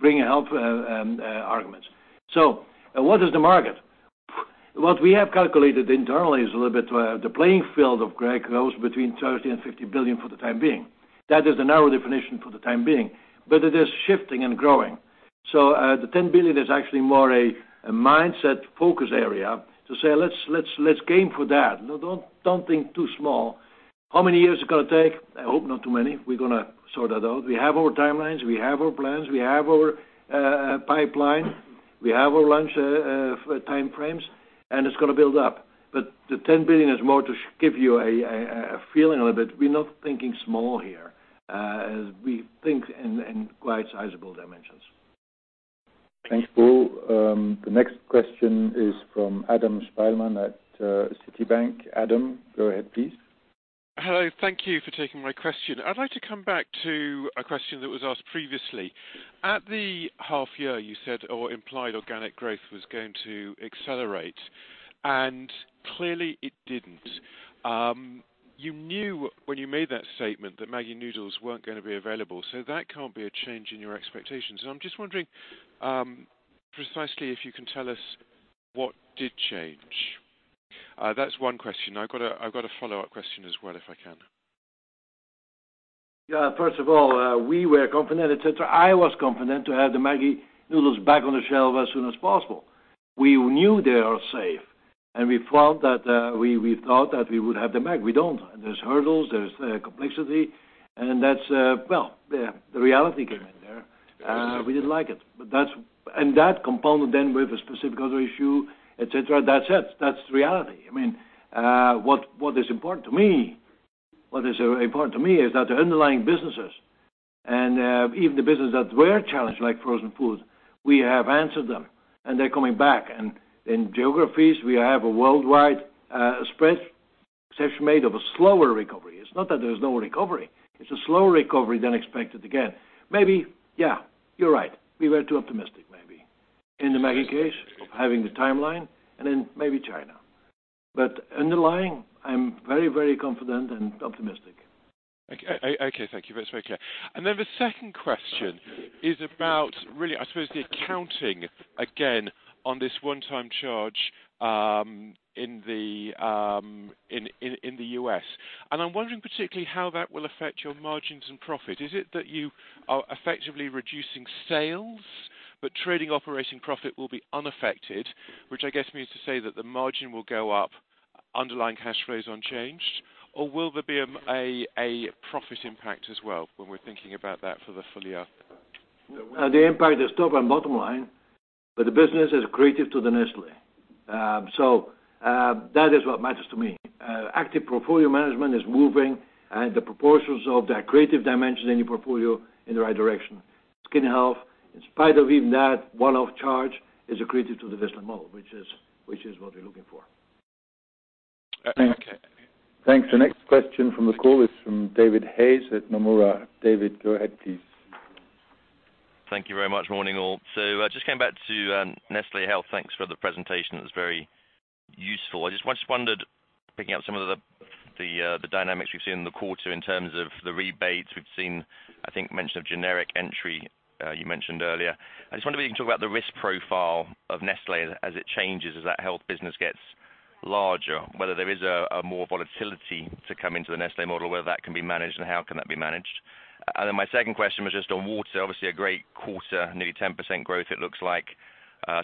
bring health arguments. What is the market? What we have calculated internally is a little bit, the playing field of Greg goes between 30 billion and 50 billion for the time being. That is the narrow definition for the time being. It is shifting and growing. The 10 billion is actually more a mindset focus area to say, let's game for that. Don't think too small. How many years is it going to take? I hope not too many. We're going to sort that out. We have our timelines. We have our plans. We have our pipeline. We have our launch time frames, it's going to build up. The 10 billion is more to give you a feeling a little bit. We're not thinking small here. We think in quite sizable dimensions. Thanks, Paul. The next question is from Adam Spielman at Citi. Adam, go ahead, please. Hello. Thank you for taking my question. I'd like to come back to a question that was asked previously. At the half year, you said or implied organic growth was going to accelerate, clearly it didn't. You knew when you made that statement that Maggi noodles weren't going to be available, that can't be a change in your expectations. I'm just wondering precisely if you can tell us what did change. That's one question. I've got a follow-up question as well, if I can. First of all, we were confident, et cetera. I was confident to have the Maggi noodles back on the shelf as soon as possible. We knew they are safe, we thought that we would have them back. We don't. There's hurdles, there's complexity, that's the reality came in there. Yeah. We didn't like it. That component then with a specific other issue, et cetera, that's it. That's the reality. What is important to me is that the underlying businesses, even the businesses that were challenged, like frozen food, we have answered them, and they're coming back. In geographies, we have a worldwide spread, exception made of a slower recovery. It's not that there's no recovery. It's a slower recovery than expected again. Maybe, yeah, you're right. We were too optimistic, maybe, in the Maggi case of having the timeline, in maybe China. Underlying, I'm very confident and optimistic. Okay. Thank you. That's very clear. Then the second question is about, really, I suppose the accounting again on this one-time charge in the U.S. I'm wondering particularly how that will affect your margins and profit. Is it that you are effectively reducing sales, but trading operating profit will be unaffected, which I guess means to say that the margin will go up, underlying cash flows unchanged? Will there be a profit impact as well when we're thinking about that for the full year? The impact is top and bottom line, the business is accretive to the Nestlé. That is what matters to me. Active portfolio management is moving the proportions of that accretive dimension in your portfolio in the right direction. Skin Health, in spite of even that one-off charge, is accretive to the Nestlé model, which is what we're looking for. Okay. Thanks. The next question from the call is from David Hayes at Nomura. David, go ahead, please. Thank you very much. Morning, all. Just coming back to Nestlé Health. Thanks for the presentation. It was very useful. I just wondered, picking up some of the dynamics we've seen in the quarter in terms of the rebates. We've seen, I think, mention of generic entry you mentioned earlier. I just wonder if you can talk about the risk profile of Nestlé as it changes, as that health business gets larger, whether there is more volatility to come into the Nestlé model, whether that can be managed, and how can that be managed? My second question was just on water. Obviously, a great quarter, nearly 10% growth, it looks like.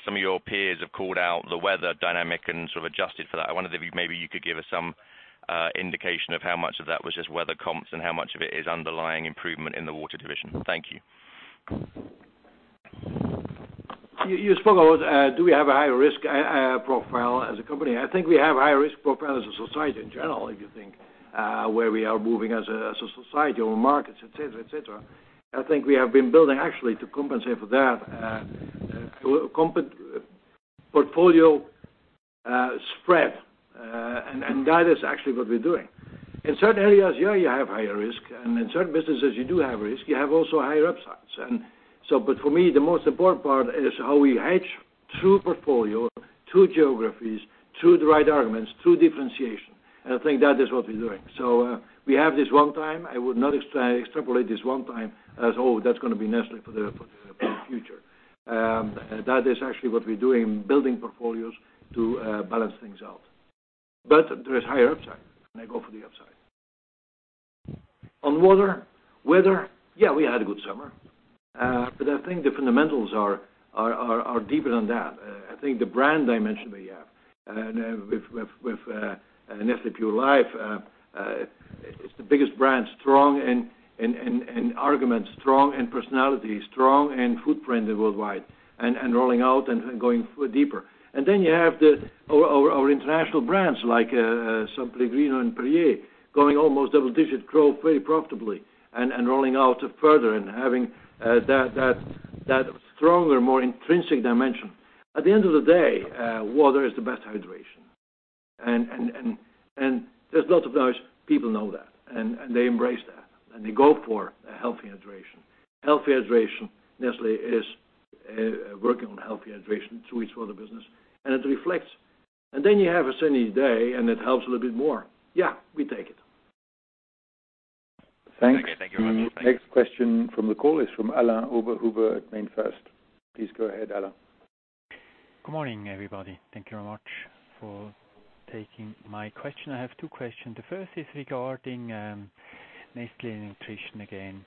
Some of your peers have called out the weather dynamic and sort of adjusted for that. I wondered if maybe you could give us some indication of how much of that was just weather comps and how much of it is underlying improvement in the water division. Thank you. You spoke about do we have a higher risk profile as a company. I think we have a higher risk profile as a society in general, if you think where we are moving as a society, our markets, et cetera. I think we have been building, actually, to compensate for that portfolio spread, and that is actually what we're doing. In certain areas, yeah, you have higher risk, and in certain businesses, you do have risk. You have also higher upsides. For me, the most important part is how we hedge through portfolio, through geographies, through the right arguments, through differentiation. I think that is what we're doing. We have this one time. I would not extrapolate this one time as, oh, that's going to be Nestlé for the future. That is actually what we're doing, building portfolios to balance things out. There is higher upside, and I go for the upside. On weather, yeah, we had a good summer. I think the fundamentals are deeper than that. I think the brand dimension we have with Nestlé Pure Life, it's the biggest brand, strong in argument, strong in personality, strong in footprint worldwide, and rolling out and going deeper. Then you have our international brands like S.Pellegrino and Perrier, going almost double-digit growth very profitably and rolling out further and having that stronger, more intrinsic dimension. At the end of the day, water is the best hydration. There's lots of those, people know that, and they embrace that, and they go for healthy hydration. Healthy hydration, Nestlé is working on healthy hydration through its water business, and it reflects. Then you have a sunny day, and it helps a little bit more. Yeah, we take it. Thanks. Okay. Thank you very much. The next question from the call is from Alain Oberhuber at MainFirst. Please go ahead, Alain. Good morning, everybody. Thank you very much for taking my question. I have two questions. The first is regarding Nestlé Nutrition again.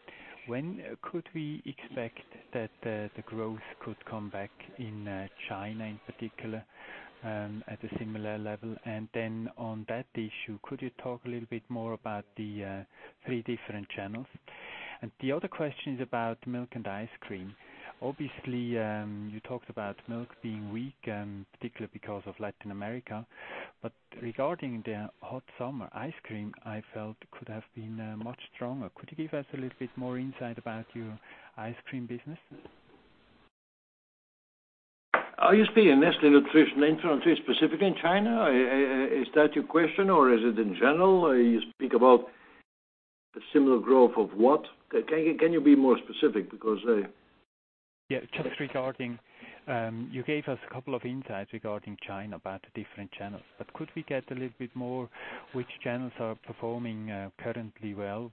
When could we expect that the growth could come back in China in particular, at a similar level? Then on that issue, could you talk a little bit more about the three different channels? The other question is about milk and ice cream. Obviously, you talked about milk being weak, particularly because of Latin America. Regarding the hot summer, ice cream, I felt, could have been much stronger. Could you give us a little bit more insight about your ice cream business? Are you speaking Nestlé Nutrition specifically in China? Is that your question, or is it in general? Are you speak about the similar growth of what? Can you be more specific? Because I Yeah, just regarding, you gave us a couple of insights regarding China about the different channels. Could we get a little bit more which channels are performing currently well?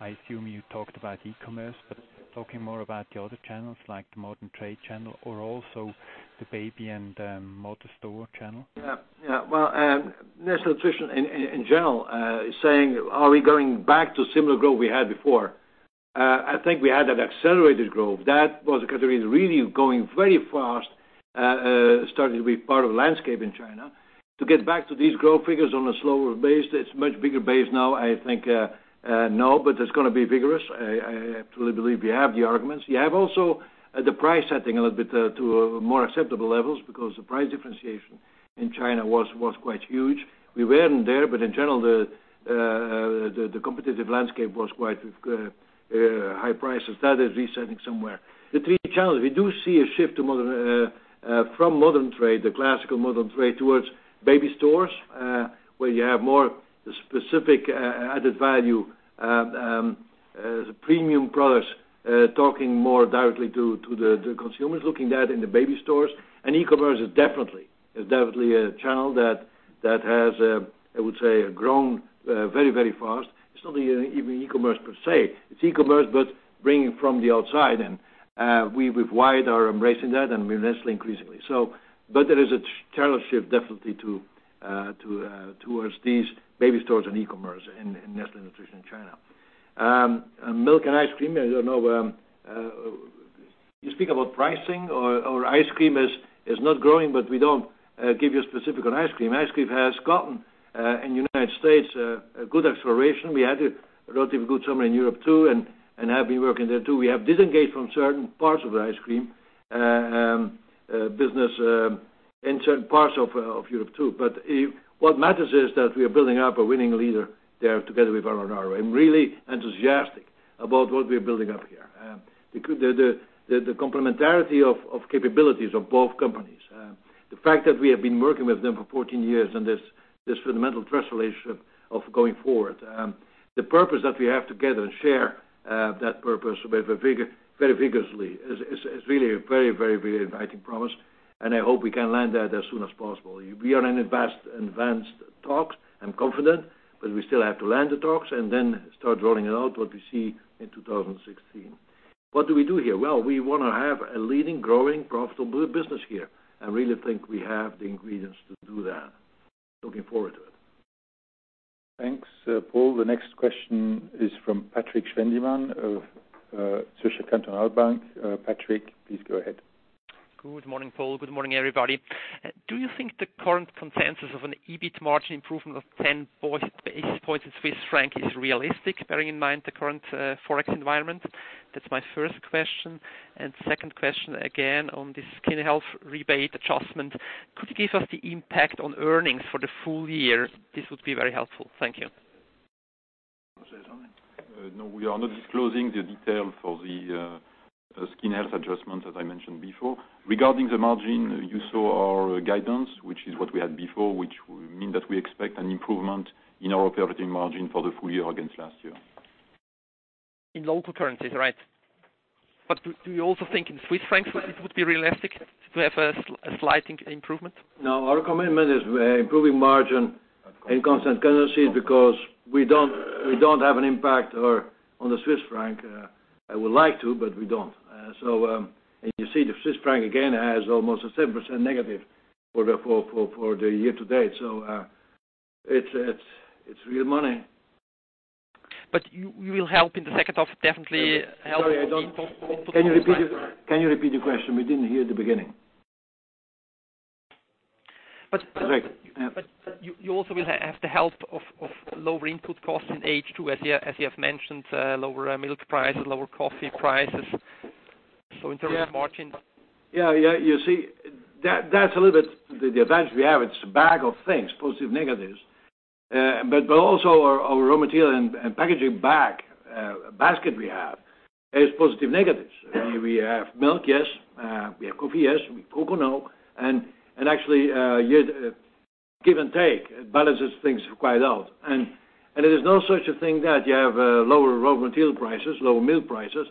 I assume you talked about e-commerce, but talking more about the other channels, like the modern trade channel or also the baby and mother store channel. Yeah. Well, Nestlé Nutrition in general is saying, are we going back to similar growth we had before? I think we had that accelerated growth. It was because it was really going very fast, starting to be part of the landscape in China. To get back to these growth figures on a slower base, it is much bigger base now, I think, no, it is going to be vigorous. I absolutely believe we have the arguments. You have also the price setting a little bit to more acceptable levels because the price differentiation in China was quite huge. We weren't there, but in general, the competitive landscape was quite high prices. That is resetting somewhere. The three channels, we do see a shift from modern trade, the classical modern trade, towards baby stores, where you have more specific added value, the premium products talking more directly to the consumers looking that in the baby stores. E-commerce is definitely a channel that has, I would say, grown very fast. It is not even e-commerce per se. It is e-commerce, but bringing from the outside in. We with Wyeth are embracing that and with Nestlé increasingly. There is a channel shift definitely towards these baby stores and e-commerce in Nestlé Nutrition in China. Milk and ice cream, I don't know. You speak about pricing or ice cream is not growing, but we don't give you specific on ice cream. Ice cream has gotten, in United States, a good exploration. We had a relatively good summer in Europe too, and have been working there too. We have disengaged from certain parts of the ice cream business in certain parts of Europe too. What matters is that we are building up a winning leader there together with Arnold Arnold. I am really enthusiastic about what we are building up here. The complementarity of capabilities of both companies, the fact that we have been working with them for 14 years, this fundamental trust relationship of going forward. The purpose that we have together and share that purpose very vigorously is really a very inviting promise, I hope we can land that as soon as possible. We are in advanced talks, I am confident, we still have to land the talks and then start rolling out what we see in 2016. What do we do here? Well, we want to have a leading, growing, profitable business here. I really think we have the ingredients to do that. Looking forward to it. Thanks, Paul. The next question is from Patrik Schwendimann of Zürcher Kantonalbank. Patrik, please go ahead. Good morning, Paul. Good morning, everybody. Do you think the current consensus of an EBIT margin improvement of 10 basis points in Swiss franc is realistic, bearing in mind the current Forex environment? That's my first question. Second question, again, on the Skin Health rebate adjustment. Could you give us the impact on earnings for the full year? This would be very helpful. Thank you. Jean-Nicolas. No, we are not disclosing the detail for the Skin Health adjustment, as I mentioned before. Regarding the margin, you saw our guidance, which is what we had before, which mean that we expect an improvement in our operating margin for the full year against last year. In local currencies, right. Do you also think in Swiss francs it would be realistic to have a slight improvement? No, our commitment is improving margin in constant currency because we don't have an impact on the Swiss franc I would like to, but we don't. You see the Swiss franc again has almost a 7% negative for the year to date. It's real money. You will help in the second half, definitely. Sorry, can you repeat your question? We didn't hear the beginning. But- Patrik, yeah You also will have the help of lower input costs in H2, as you have mentioned, lower milk prices, lower coffee prices. In terms of margins. Yeah. You see, that's a little bit the advantage we have. It's a bag of things, positive, negatives. Also our raw material and packaging basket we have is positive, negatives. We have milk, yes. We have coffee, yes. We have coconut milk, actually, give and take, it balances things quite out. It is no such a thing that you have lower raw material prices, lower milk prices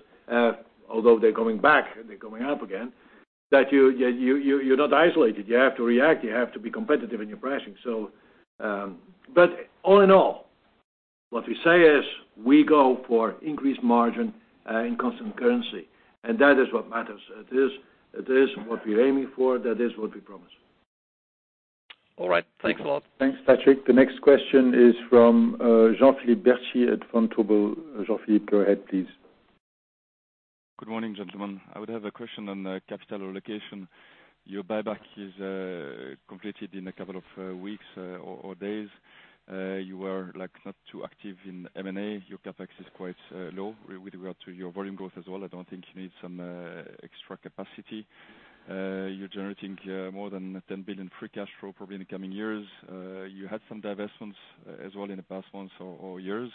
although they're coming back, they're going up again, that you're not isolated. You have to react. You have to be competitive in your pricing. All in all, what we say is we go for increased margin in constant currency, and that is what matters. It is what we're aiming for. That is what we promise. All right. Thanks a lot. Thanks, Patrik. The next question is from Jean-Philippe Bertschy at Vontobel. Jean-Philippe, go ahead please. Good morning, gentlemen. I would have a question on the capital allocation. Your buyback is completed in a couple of weeks or days. You are not too active in M&A. Your CapEx is quite low with regard to your volume growth as well. I don't think you need some extra capacity. You're generating more than 10 billion free cash flow probably in the coming years. You had some divestments as well in the past months or years.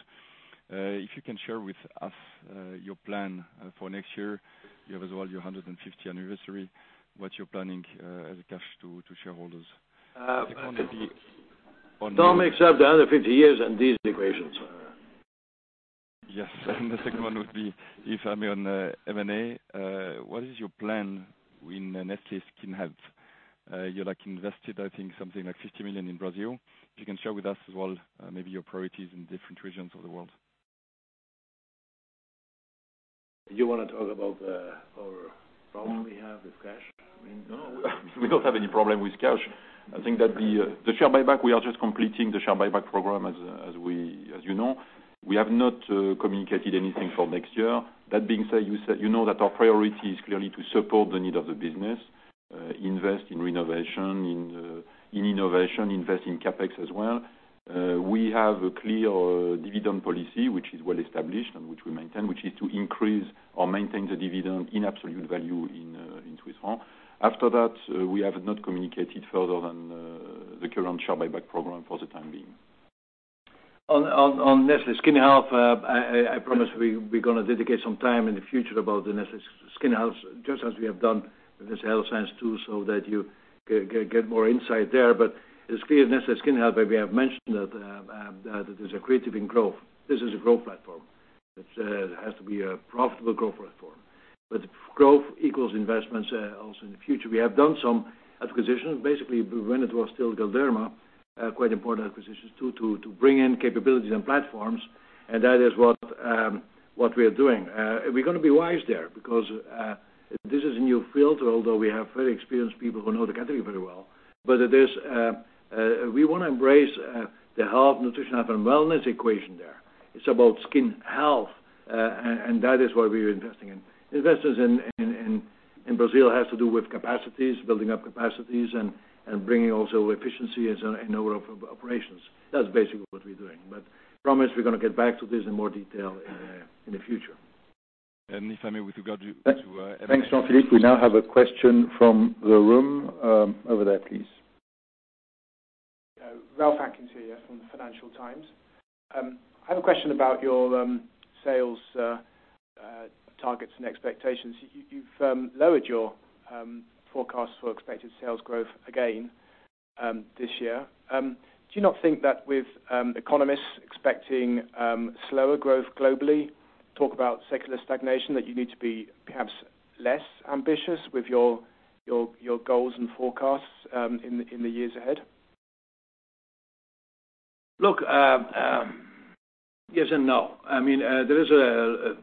If you can share with us your plan for next year, you have as well your 150th anniversary, what you're planning as cash to shareholders. The second would be on. Tom, except another 50 years and these. [inaudible] Yes. The second one would be, if I may, on M&A, what is your plan in Nestlé Skin Health? You invested, I think something like 50 million in Brazil. If you can share with us as well, maybe your priorities in different regions of the world. Do you want to talk about our problem we have with cash? No, we don't have any problem with cash. I think that the share buyback, we are just completing the share buyback program as you know. We have not communicated anything for next year. That being said, you know that our priority is clearly to support the need of the business, invest in renovation, in innovation, invest in CapEx as well. We have a clear dividend policy, which is well established and which we maintain, which is to increase or maintain the dividend in absolute value in Swiss franc. We have not communicated further than the current share buyback program for the time being. On Nestlé Skin Health, I promise we're going to dedicate some time in the future about the Nestlé Skin Health, just as we have done with Nestlé Health Science too, so that you get more insight there. It's clear Nestlé Skin Health, maybe I've mentioned that there's a creative in growth. This is a growth platform. It has to be a profitable growth platform. Growth equals investments also in the future. We have done some acquisitions, basically when it was still Galderma, quite important acquisitions to bring in capabilities and platforms, and that is what we are doing. We're going to be wise there because, this is a new field, although we have very experienced people who know the category very well. We want to embrace the health, nutrition, health, and wellness equation there. It's about skin health, and that is what we are investing in. Investments in Brazil has to do with capacities, building up capacities, and bringing also efficiency in our operations. That's basically what we're doing. Promise we're going to get back to this in more detail in the future. If I may, with regard to M&A. Thanks, Jean-Philippe. We now have a question from the room. Over there, please. Ralph Atkins here from the Financial Times. I have a question about your sales targets and expectations. You've lowered your forecasts for expected sales growth again this year. Do you not think that with economists expecting slower growth globally, talk about secular stagnation, that you need to be perhaps less ambitious with your goals and forecasts in the years ahead? Look, yes and no. I mean, there is a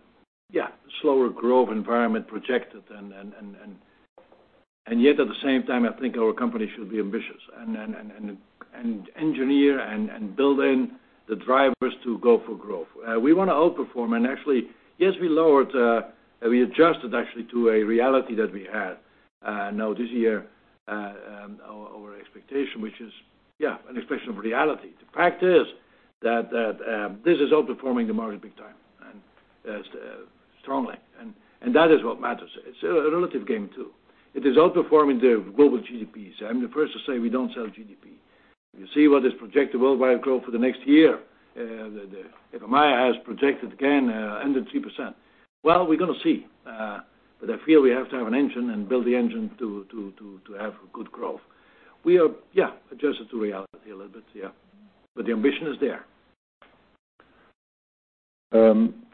slower growth environment projected, and yet at the same time, I think our company should be ambitious and engineer and build in the drivers to go for growth. We want to outperform, and actually, yes, we adjusted actually to a reality that we had. Now this year, our expectation, which is an expression of reality. The fact is that this is outperforming the market big time, and strongly, and that is what matters. It's a relative game too. It is outperforming the global GDPs. I'm the first to say we don't sell GDP. You see what is projected worldwide growth for the next year. The IFEMA has projected again, 103%. Well, we're going to see. I feel we have to have an engine and build the engine to have good growth. We are adjusted to reality a little bit, yeah. The ambition is there.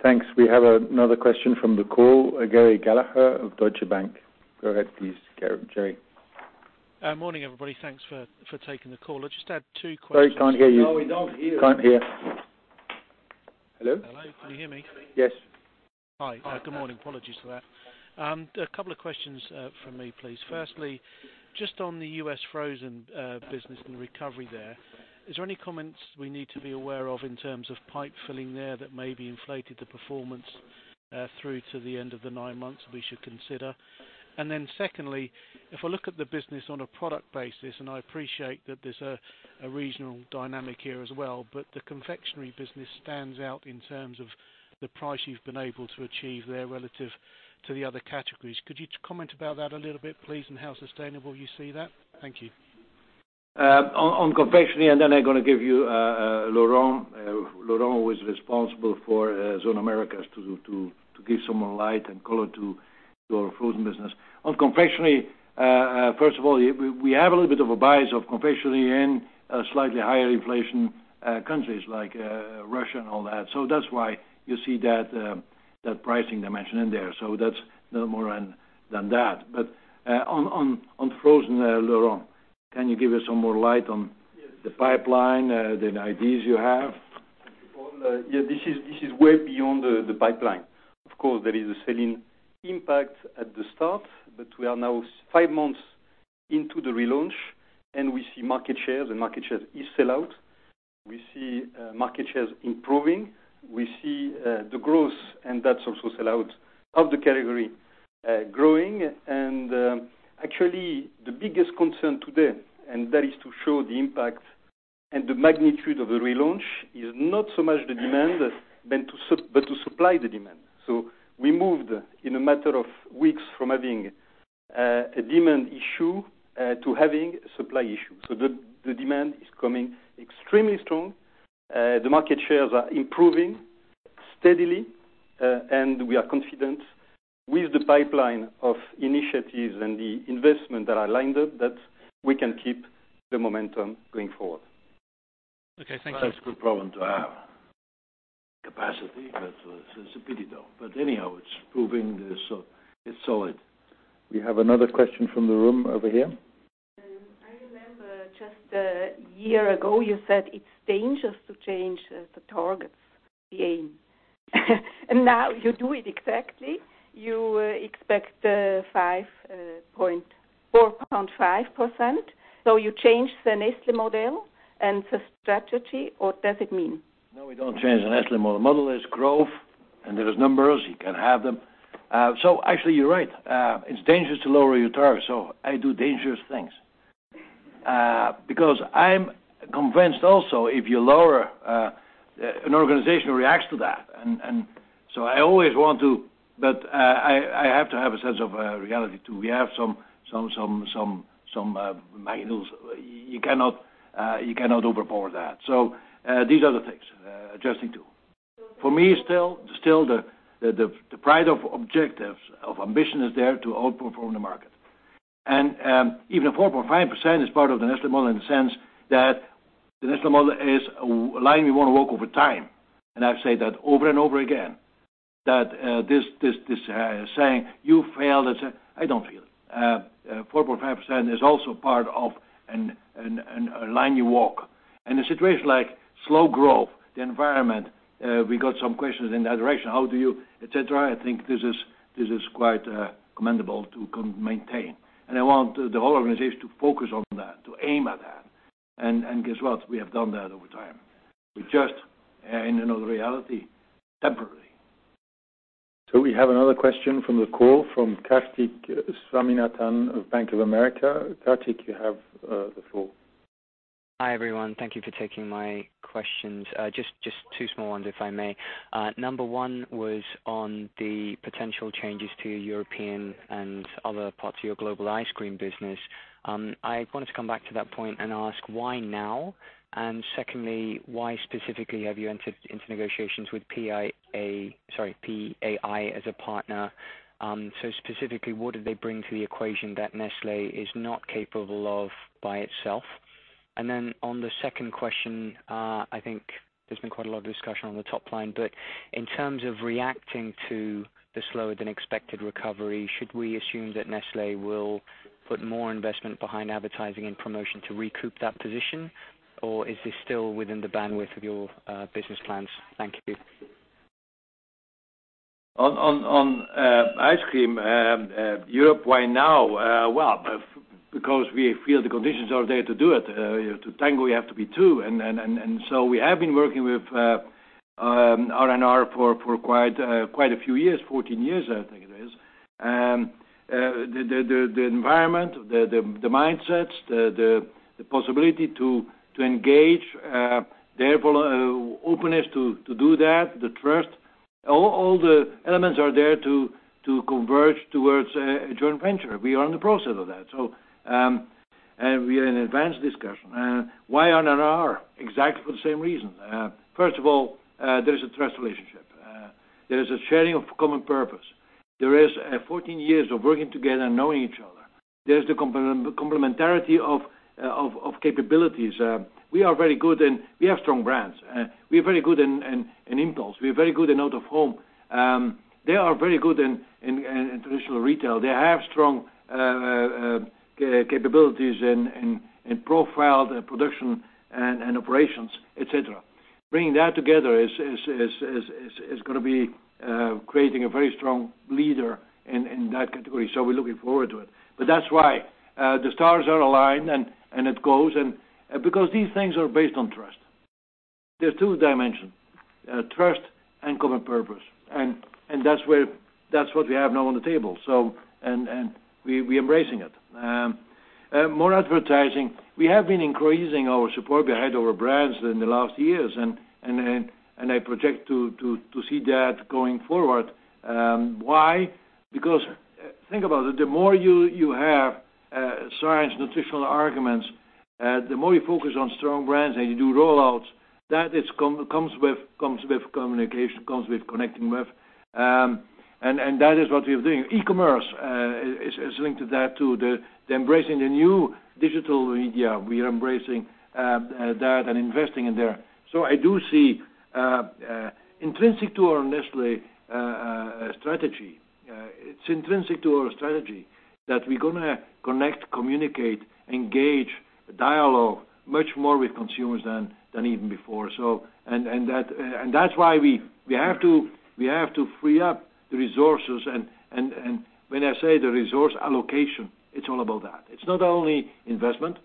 Thanks. We have another question from the call. Gerry Gallagher of Deutsche Bank. Go ahead please, Gerry. Morning, everybody. Thanks for taking the call. I just had two questions. Sorry, can't hear you. No, we don't hear. Can't hear. Hello? Hello. Can you hear me? Yes. Hi. Good morning. Apologies for that. A couple of questions from me, please. Firstly, just on the U.S. frozen business and the recovery there, are there any comments we need to be aware of in terms of pipe filling there that maybe inflated the performance through to the end of the nine months we should consider? Secondly, if I look at the business on a product basis, and I appreciate that there's a regional dynamic here as well, but the confectionery business stands out in terms of the price you've been able to achieve there relative to the other categories. Could you comment about that a little bit, please, and how sustainable you see that? Thank you. On confectionery, I'm going to give you Laurent. Laurent was responsible for Zone Americas to give some more light and color to our frozen business. On confectionery, first of all, we have a little bit of a bias of confectionery in slightly higher inflation countries like Russia and all that. That's why you see that pricing dimension in there. That's no more than that. On frozen, Laurent, can you give us some more light on the pipeline, the ideas you have? Thank you, Paul. This is way beyond the pipeline. Of course, there is a selling impact at the start. We are now five months into the relaunch. We see market shares, and market shares is sellout. We see market shares improving. We see the growth, and that's also sellout of the category growing. Actually, the biggest concern today, and that is to show the impact and the magnitude of the relaunch, is not so much the demand, but to supply the demand. We moved in a matter of weeks from having a demand issue to having supply issues. The demand is coming extremely strong. The market shares are improving steadily, and we are confident with the pipeline of initiatives and the investment that are lined up that we can keep the momentum going forward. Thank you. That's a good problem to have. Capacity, it's a pity, though. Anyhow, it's proving it's solid. We have another question from the room over here. I remember just a year ago, you said it's dangerous to change the targets, the aim. Now you do it exactly. You expect 4.5%. You changed the Nestlé model and the strategy, or what does it mean? No, we don't change the Nestlé model. The model is growth, and there is numbers, you can have them. Actually you're right. It's dangerous to lower your target, I do dangerous things. I'm convinced also, if you lower, an organization reacts to that. I always want to, but I have to have a sense of reality, too. We have some manuals. You cannot overpour that. These are the things, adjusting to. For me, still, the pride of objectives, of ambition is there to outperform the market. Even the 4.5% is part of the Nestlé model in the sense that the Nestlé model is a line we want to walk over time. I've said that over and over again, that this saying, "You failed." I don't feel. 4.5% is also part of a line you walk. In a situation like slow growth, the environment, we got some questions in that direction, how do you, et cetera, I think this is quite commendable to maintain. I want the whole organization to focus on that, to aim at that. Guess what? We have done that over time. We're just in another reality temporarily. We have another question from the call from Karthik Swaminathan of Bank of America. Karthik, you have the floor. Hi, everyone. Thank you for taking my questions. Just two small ones, if I may. Number 1 was on the potential changes to your European and other parts of your global ice cream business. I wanted to come back to that point and ask why now? Secondly, why specifically have you entered into negotiations with PAI as a partner? Specifically, what do they bring to the equation that Nestlé is not capable of by itself? On the second question, I think there's been quite a lot of discussion on the top line, but in terms of reacting to the slower than expected recovery, should we assume that Nestlé will put more investment behind advertising and promotion to recoup that position? Or is this still within the bandwidth of your business plans? Thank you. On ice cream, Europe, why now? Well, because we feel the conditions are there to do it. To tango, we have to be two. We have been working with R&R for quite a few years, 14 years, I think it is. The environment, the mindsets, the possibility to engage, their openness to do that, the trust, all the elements are there to converge towards a joint venture. We are in the process of that. We are in advanced discussion. Why R&R? Exactly for the same reason. First of all, there is a trust relationship. There is a sharing of common purpose. There is 14 years of working together and knowing each other. There's the complementarity of capabilities. We have strong brands. We are very good in impulse. We are very good in out-of-home. They are very good in traditional retail. They have strong capabilities in profile, production, and operations, et cetera. Bringing that together is going to be creating a very strong leader in that category. We're looking forward to it. That's why the stars are aligned, and it goes, because these things are based on trust. There's two dimensions, trust and common purpose, and that's what we have now on the table. We're embracing it. More advertising. We have been increasing our support behind our brands in the last years, and I project to see that going forward. Why? Because think about it, the more you have science, nutritional arguments, the more you focus on strong brands and you do rollouts, that comes with communication, comes with connecting with. That is what we are doing. e-commerce is linked to that too, the embracing the new digital media. We are embracing that and investing in there. I do see intrinsic to our Nestlé strategy, it's intrinsic to our strategy that we're going to connect, communicate, engage, dialogue much more with consumers than even before. That's why we have to free up the resources. When I say the resource allocation, it's all about that. It's not only investment,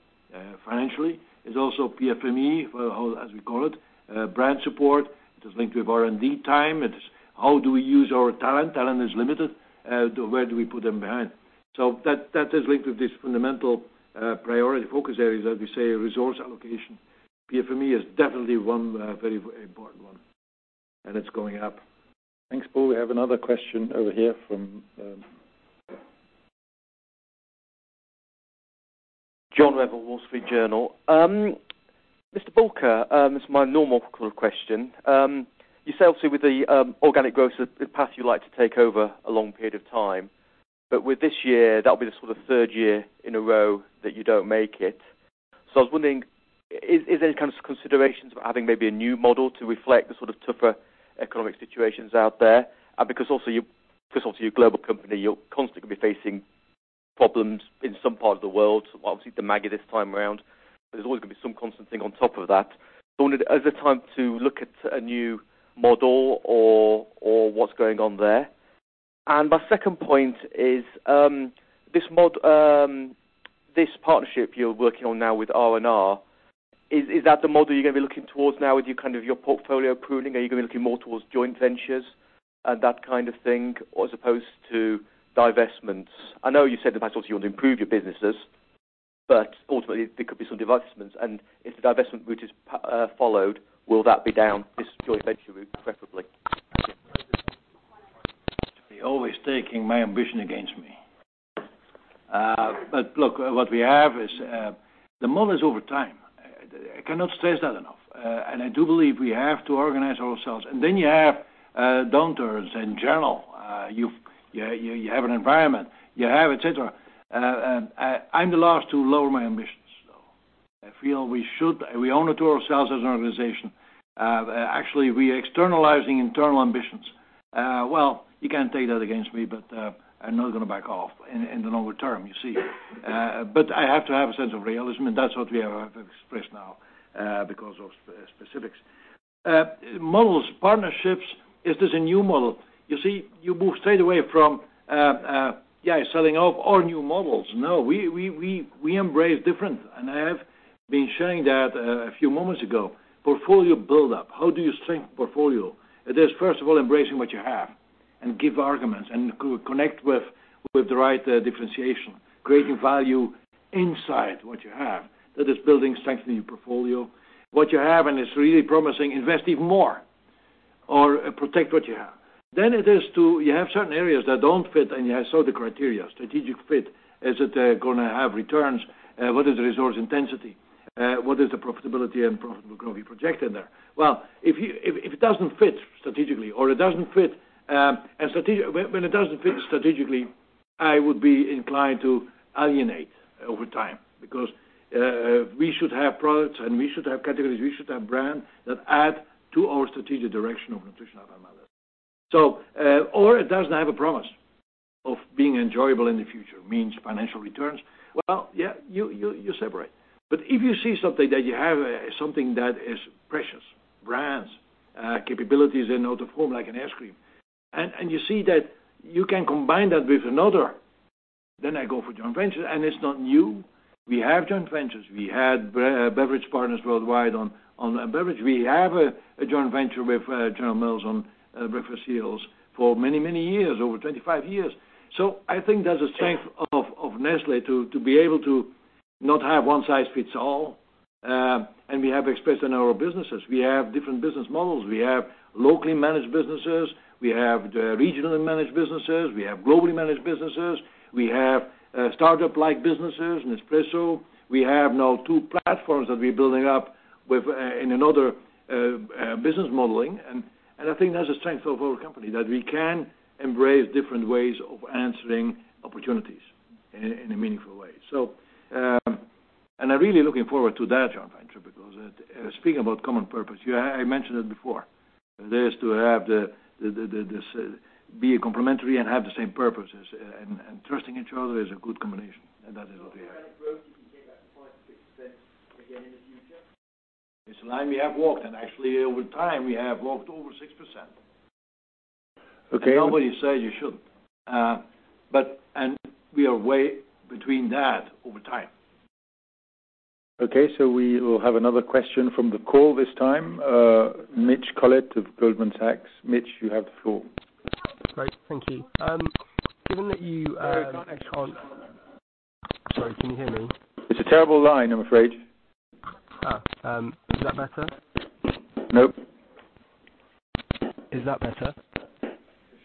financially, it's also PFME, as we call it, brand support. It is linked with R&D time. It is how do we use our talent? Talent is limited. Where do we put them behind? That is linked with this fundamental priority focus areas, as we say, resource allocation. PFME is definitely one very important one, and it's going up. Thanks, Paul. We have another question over here from John Revill, The Wall Street Journal. Mr. Bulcke, this is my normal question. You say, obviously, with the organic growth, the path you like to take over a long period of time, but with this year, that'll be the sort of third year in a row that you don't make it. I was wondering, is there any kind of considerations for having maybe a new model to reflect the sort of tougher economic situations out there? Because also you're a global company, you're constantly going to be facing problems in some part of the world, obviously, the Maggi this time around. There's always going to be some constant thing on top of that. I wondered, is it time to look at a new model or what's going on there? My second point is, this partnership you're working on now with R&R, is that the model you're going to be looking towards now with your kind of your portfolio pruning? Are you going to be looking more towards joint ventures and that kind of thing, as opposed to divestments? I know you said that that's also you want to improve your businesses, ultimately, there could be some divestments. If the divestment route is followed, will that be down this joint venture route, preferably? You're always taking my ambition against me. Look, what we have is the model is over time. I cannot stress that enough. I do believe we have to organize ourselves. Then you have doctors in general. You have an environment. You have, et cetera. I'm the last to lower my ambitions. I feel we owe it to ourselves as an organization. Actually, we externalizing internal ambitions. Well, you can take that against me, but I'm not going to back off in the longer term, you see. I have to have a sense of realism, and that's what we have expressed now, because of specifics. Models, partnerships, is this a new model? You see, you move straight away from, yeah, selling off all new models. No, we embrace different, and I have been sharing that a few moments ago. Portfolio buildup. How do you strengthen portfolio? It is first of all embracing what you have and give arguments and connect with the right differentiation, creating value inside what you have. That is building strength in your portfolio. What you have, and it's really promising, invest even more or protect what you have. It is you have certain areas that don't fit, and you have certain criteria, strategic fit. Is it going to have returns? What is the resource intensity? What is the profitability and profit growth we projected there? Well, if it doesn't fit strategically when it doesn't fit strategically, I would be inclined to alienate over time because we should have products and we should have categories, we should have brands that add to our strategic direction of nutritional health and wellness. It does not have a promise of being enjoyable in the future, means financial returns. Yeah, you separate. If you see something that you have, something that is precious, brands, capabilities in out of home like an ice cream, and you see that you can combine that with another, then I go for joint venture. It is not new. We have joint ventures. We had beverage partners worldwide on beverage. We have a joint venture with General Mills on breakfast cereals for many, many years, over 25 years. I think that is a strength of Nestlé, to be able to not have one size fits all, and we have expressed in our businesses. We have different business models. We have locally managed businesses. We have regionally managed businesses. We have globally managed businesses. We have startup-like businesses, Nespresso. We have now two platforms that we are building up in another business modeling. I think that is a strength of our company, that we can embrace different ways of answering opportunities in a meaningful way. I am really looking forward to that joint venture because speaking about common purpose, I mentioned it before. It is to have this be complementary and have the same purposes and trusting each other is a good combination, and that is what we have. Hit that 5%-6% again in the future? It is a line we have walked, actually, over time, we have walked over 6%. Okay. Nobody says you shouldn't. We are way between that over time. Okay, we will have another question from the call this time. Mitch Collett of Goldman Sachs. Mitch, you have the floor. Great. Thank you. Very gone actually. Sorry, can you hear me? It's a terrible line, I'm afraid. Is that better? Nope. Is that better? A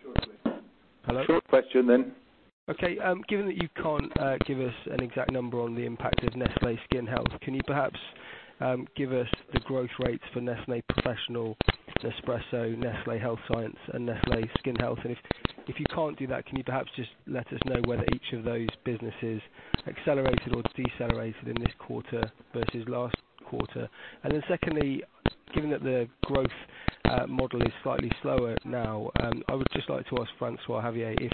short question. Hello? Short question. Okay. Given that you can't give us an exact number on the impact of Nestlé Skin Health, can you perhaps give us the growth rates for Nestlé Professional, Nespresso, Nestlé Health Science, and Nestlé Skin Health? If you can't do that, can you perhaps just let us know whether each of those businesses accelerated or decelerated in this quarter versus last quarter? Secondly, given that the growth model is slightly slower now, I would just like to ask François-Xavier if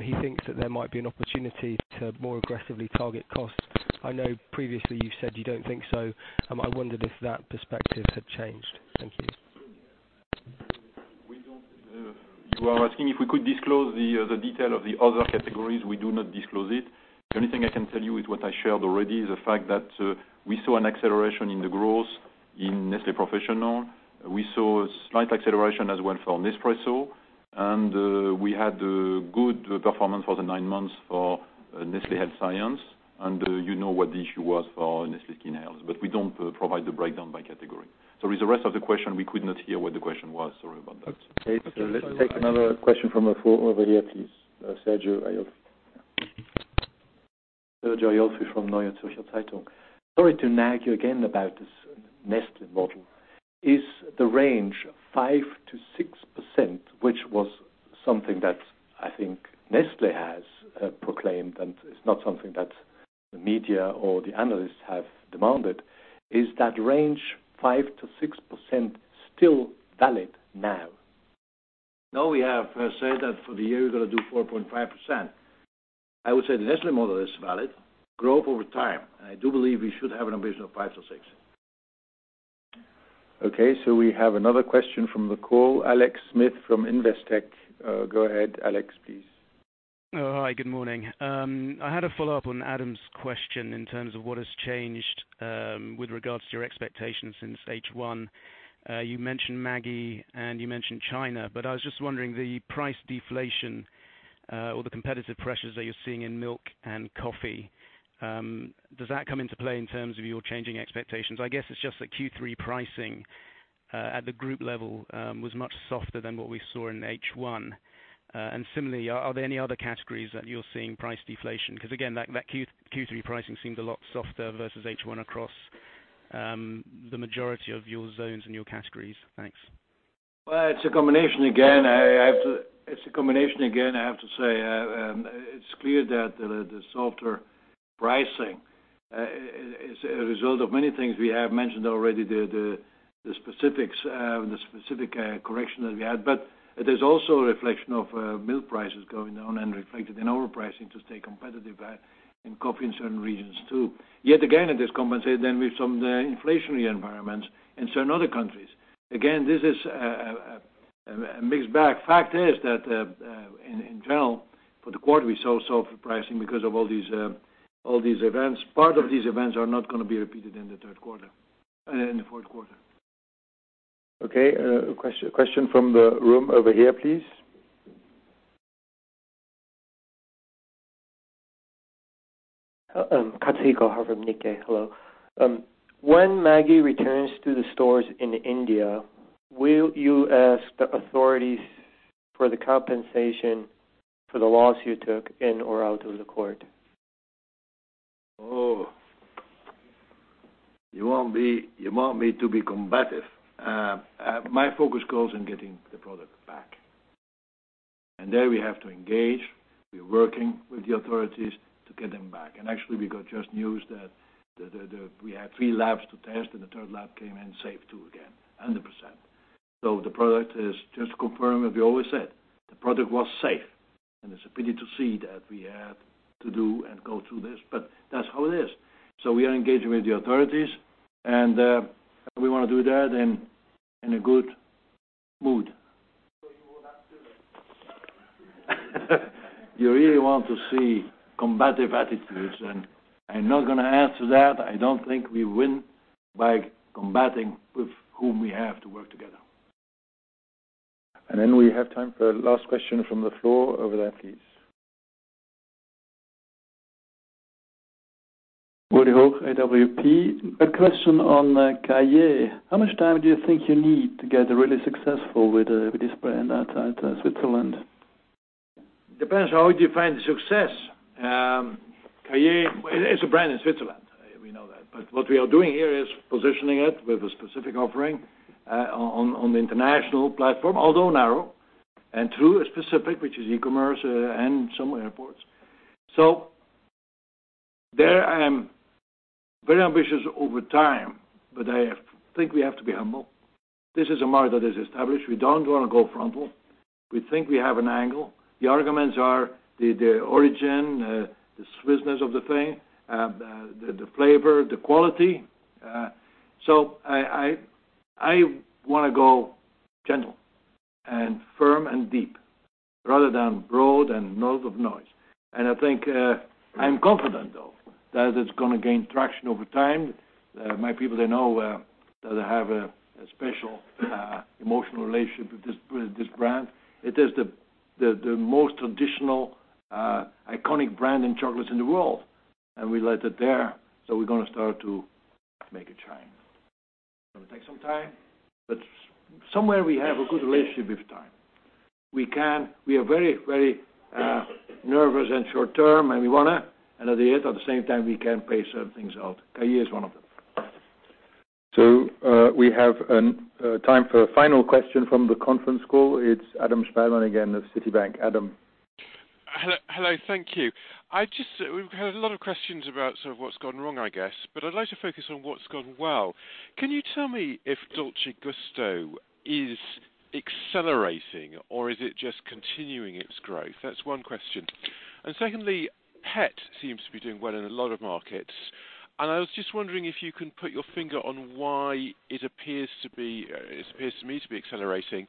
he thinks that there might be an opportunity to more aggressively target costs. I know previously you've said you don't think so. I wondered if that perspective had changed. Thank you. You are asking if we could disclose the detail of the other categories. We do not disclose it. The only thing I can tell you is what I shared already, is the fact that we saw an acceleration in the growth in Nestlé Professional. We saw a slight acceleration as well for Nespresso, and we had good performance for the nine months for Nestlé Health Science. You know what the issue was for Nestlé Skin Health. We don't provide the breakdown by category. With the rest of the question, we could not hear what the question was. Sorry about that. Okay. Let's take another question from the floor over here, please. Sergio Aiolfi. Sergio Aiolfi from Neue Zürcher Zeitung. Sorry to nag you again about this Nestlé model. Is the range 5% to 6%, which was something that I think Nestlé has proclaimed, and it's not something that the media or the analysts have demanded. Is that range 5% to 6% still valid now? No, we have said that for the year, we're going to do 4.5%. I would say the Nestlé model is valid. Growth over time, I do believe we should have an ambition of 5% to 6%. Okay, we have another question from the call. Alex Smith from Investec. Go ahead, Alex, please. Hi, good morning. I had a follow-up on Adam's question in terms of what has changed with regards to your expectations since H1. You mentioned Maggi, and you mentioned China. I was just wondering the price deflation or the competitive pressures that you're seeing in milk and coffee, does that come into play in terms of your changing expectations? I guess it's just that Q3 pricing at the group level was much softer than what we saw in H1. Similarly, are there any other categories that you're seeing price deflation? Because again, that Q3 pricing seemed a lot softer versus H1 across the majority of your zones and your categories. Thanks. Well, it's a combination again, I have to say. It's clear that the softer pricing is a result of many things we have mentioned already, the specific correction that we had. It is also a reflection of milk prices going down and reflected in our pricing to stay competitive in coffee in certain regions, too. Yet again, it is compensated then with some inflationary environments in certain other countries. Again, this is a mixed bag. Fact is that in general, for the quarter, we saw softer pricing because of all these events. Part of these events are not going to be repeated in the fourth quarter. Okay. A question from the room over here, please. Katsuhiko Hara from Nikkei. Hello. When Maggi returns to the stores in India, will you ask the authorities for the compensation for the loss you took in or out of the court? Oh. You want me to be combative. My focus goes in getting the product back. There we have to engage. We're working with the authorities to get them back. Actually, we got just news that we had three labs to test, and the third lab came in safe too, again, 100%. The product is just confirmed, as we always said, the product was safe, and it's a pity to see that we had to do and go through this, but that's how it is. We are engaging with the authorities, and we want to do that in a good mood. You will have to. You really want to see combative attitudes, and I'm not going to answer that. I don't think we win by combating with whom we have to work together. We have time for last question from the floor over there, please. Ueli Hoch, AWP. A question on Cailler. How much time do you think you need to get really successful with this brand outside Switzerland? Depends how you define success. Cailler is a brand in Switzerland. We know that. What we are doing here is positioning it with a specific offering on the international platform, although narrow, and through a specific, which is e-commerce and some airports. There I am very ambitious over time, but I think we have to be humble. This is a market that is established. We don't want to go frontal. We think we have an angle. The arguments are the origin, the Swissness of the thing, the flavor, the quality. I want to go gentle and firm and deep rather than broad and loud of noise. I think I'm confident, though, that it's going to gain traction over time. My people they know that I have a special emotional relationship with this brand. It is the most traditional, iconic brand in chocolates in the world. We left it there. We're going to start to make a change. It'll take some time. Somewhere we have a good relationship with time. We are very nervous and short term. We want to, and at the same time, we can pace certain things out. We have time for a final question from the conference call. It's Adam Spielman again of Citi. Adam. Hello, thank you. We've had a lot of questions about sort of what's gone wrong, I guess, but I'd like to focus on what's gone well. Can you tell me if Dolce Gusto is accelerating, or is it just continuing its growth? That's one question. Secondly, Pet seems to be doing well in a lot of markets, and I was just wondering if you can put your finger on why it appears to me to be accelerating.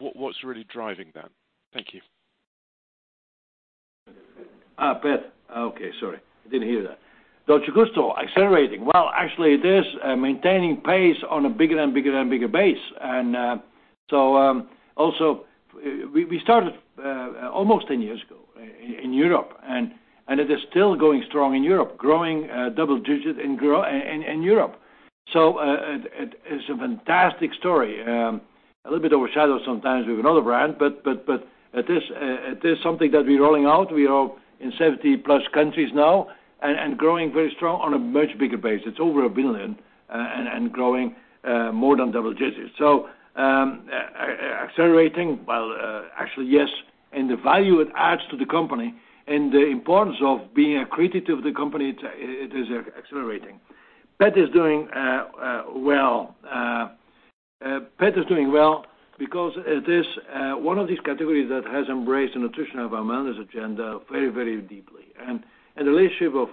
What's really driving that? Thank you. Pet. Okay, sorry. Didn't hear that. Dolce Gusto accelerating. Well, actually, it is maintaining pace on a bigger and bigger base. We started almost 10 years ago in Europe, and it is still going strong in Europe, growing double digit in Europe. It is a fantastic story. A little bit overshadowed sometimes with another brand, but it is something that we're rolling out. We are in 70-plus countries now and growing very strong on a much bigger base. It's over a billion and growing more than double digits. Accelerating, well, actually, yes, the value it adds to the company and the importance of being accretive to the company, it is accelerating. Pet is doing well. Pet is doing well because it is one of these categories that has embraced the nutrition of our wellness agenda very deeply. The relationship of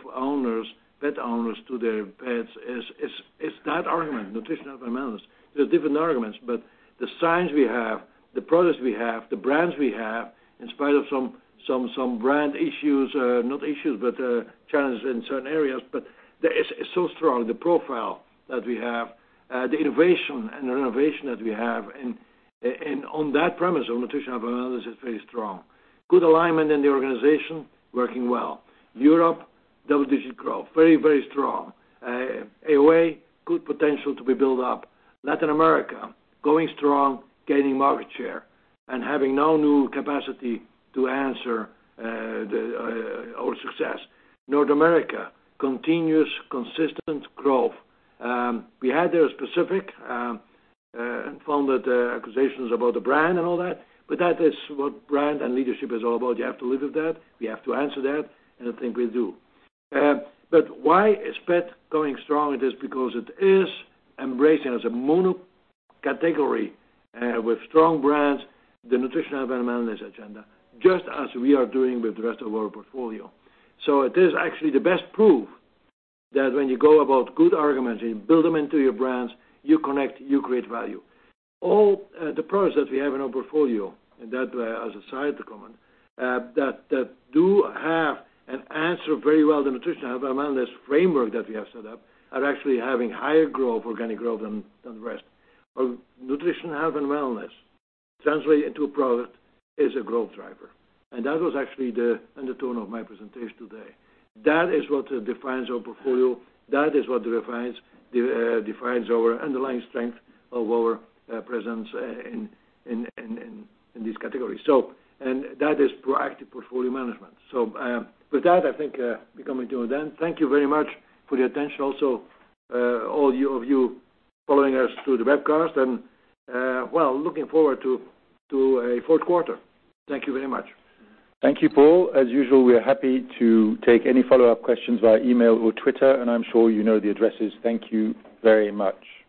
pet owners to their pets is that argument, nutrition and wellness. There are different arguments, but the science we have, the products we have, the brands we have, in spite of some brand issues, not issues, but challenges in certain areas, but that is so strong, the profile that we have, the innovation and the renovation that we have. On that premise of nutrition and wellness is very strong. Good alignment in the organization, working well. Europe, double-digit growth, very strong. AOA, good potential to be built up. Latin America, growing strong, gaining market share, and having now new capacity to answer our success. North America, continuous, consistent growth. We had there a specific unfounded accusations about the brand and all that, but that is what brand and leadership is all about. You have to live with that. We have to answer that, and I think we do. Why is Pet going strong? It is because it is embracing as a mono category with strong brands, the nutrition and wellness agenda, just as we are doing with the rest of our portfolio. It is actually the best proof that when you go about good arguments and you build them into your brands, you connect, you create value. All the products that we have in our portfolio, that as a side comment that do have an answer very well to nutrition and wellness framework that we have set up are actually having higher growth, organic growth than the rest. Nutrition, health, and wellness translate into a product is a growth driver. That was actually the undertone of my presentation today. That is what defines our portfolio. That is what defines our underlying strength of our presence in these categories. That is proactive portfolio management. With that, I think we coming to an end. Thank you very much for the attention. Also, all of you following us through the webcast and, well, looking forward to a fourth quarter. Thank you very much. Thank you, Paul. As usual, we are happy to take any follow-up questions via email or Twitter. I'm sure you know the addresses. Thank you very much.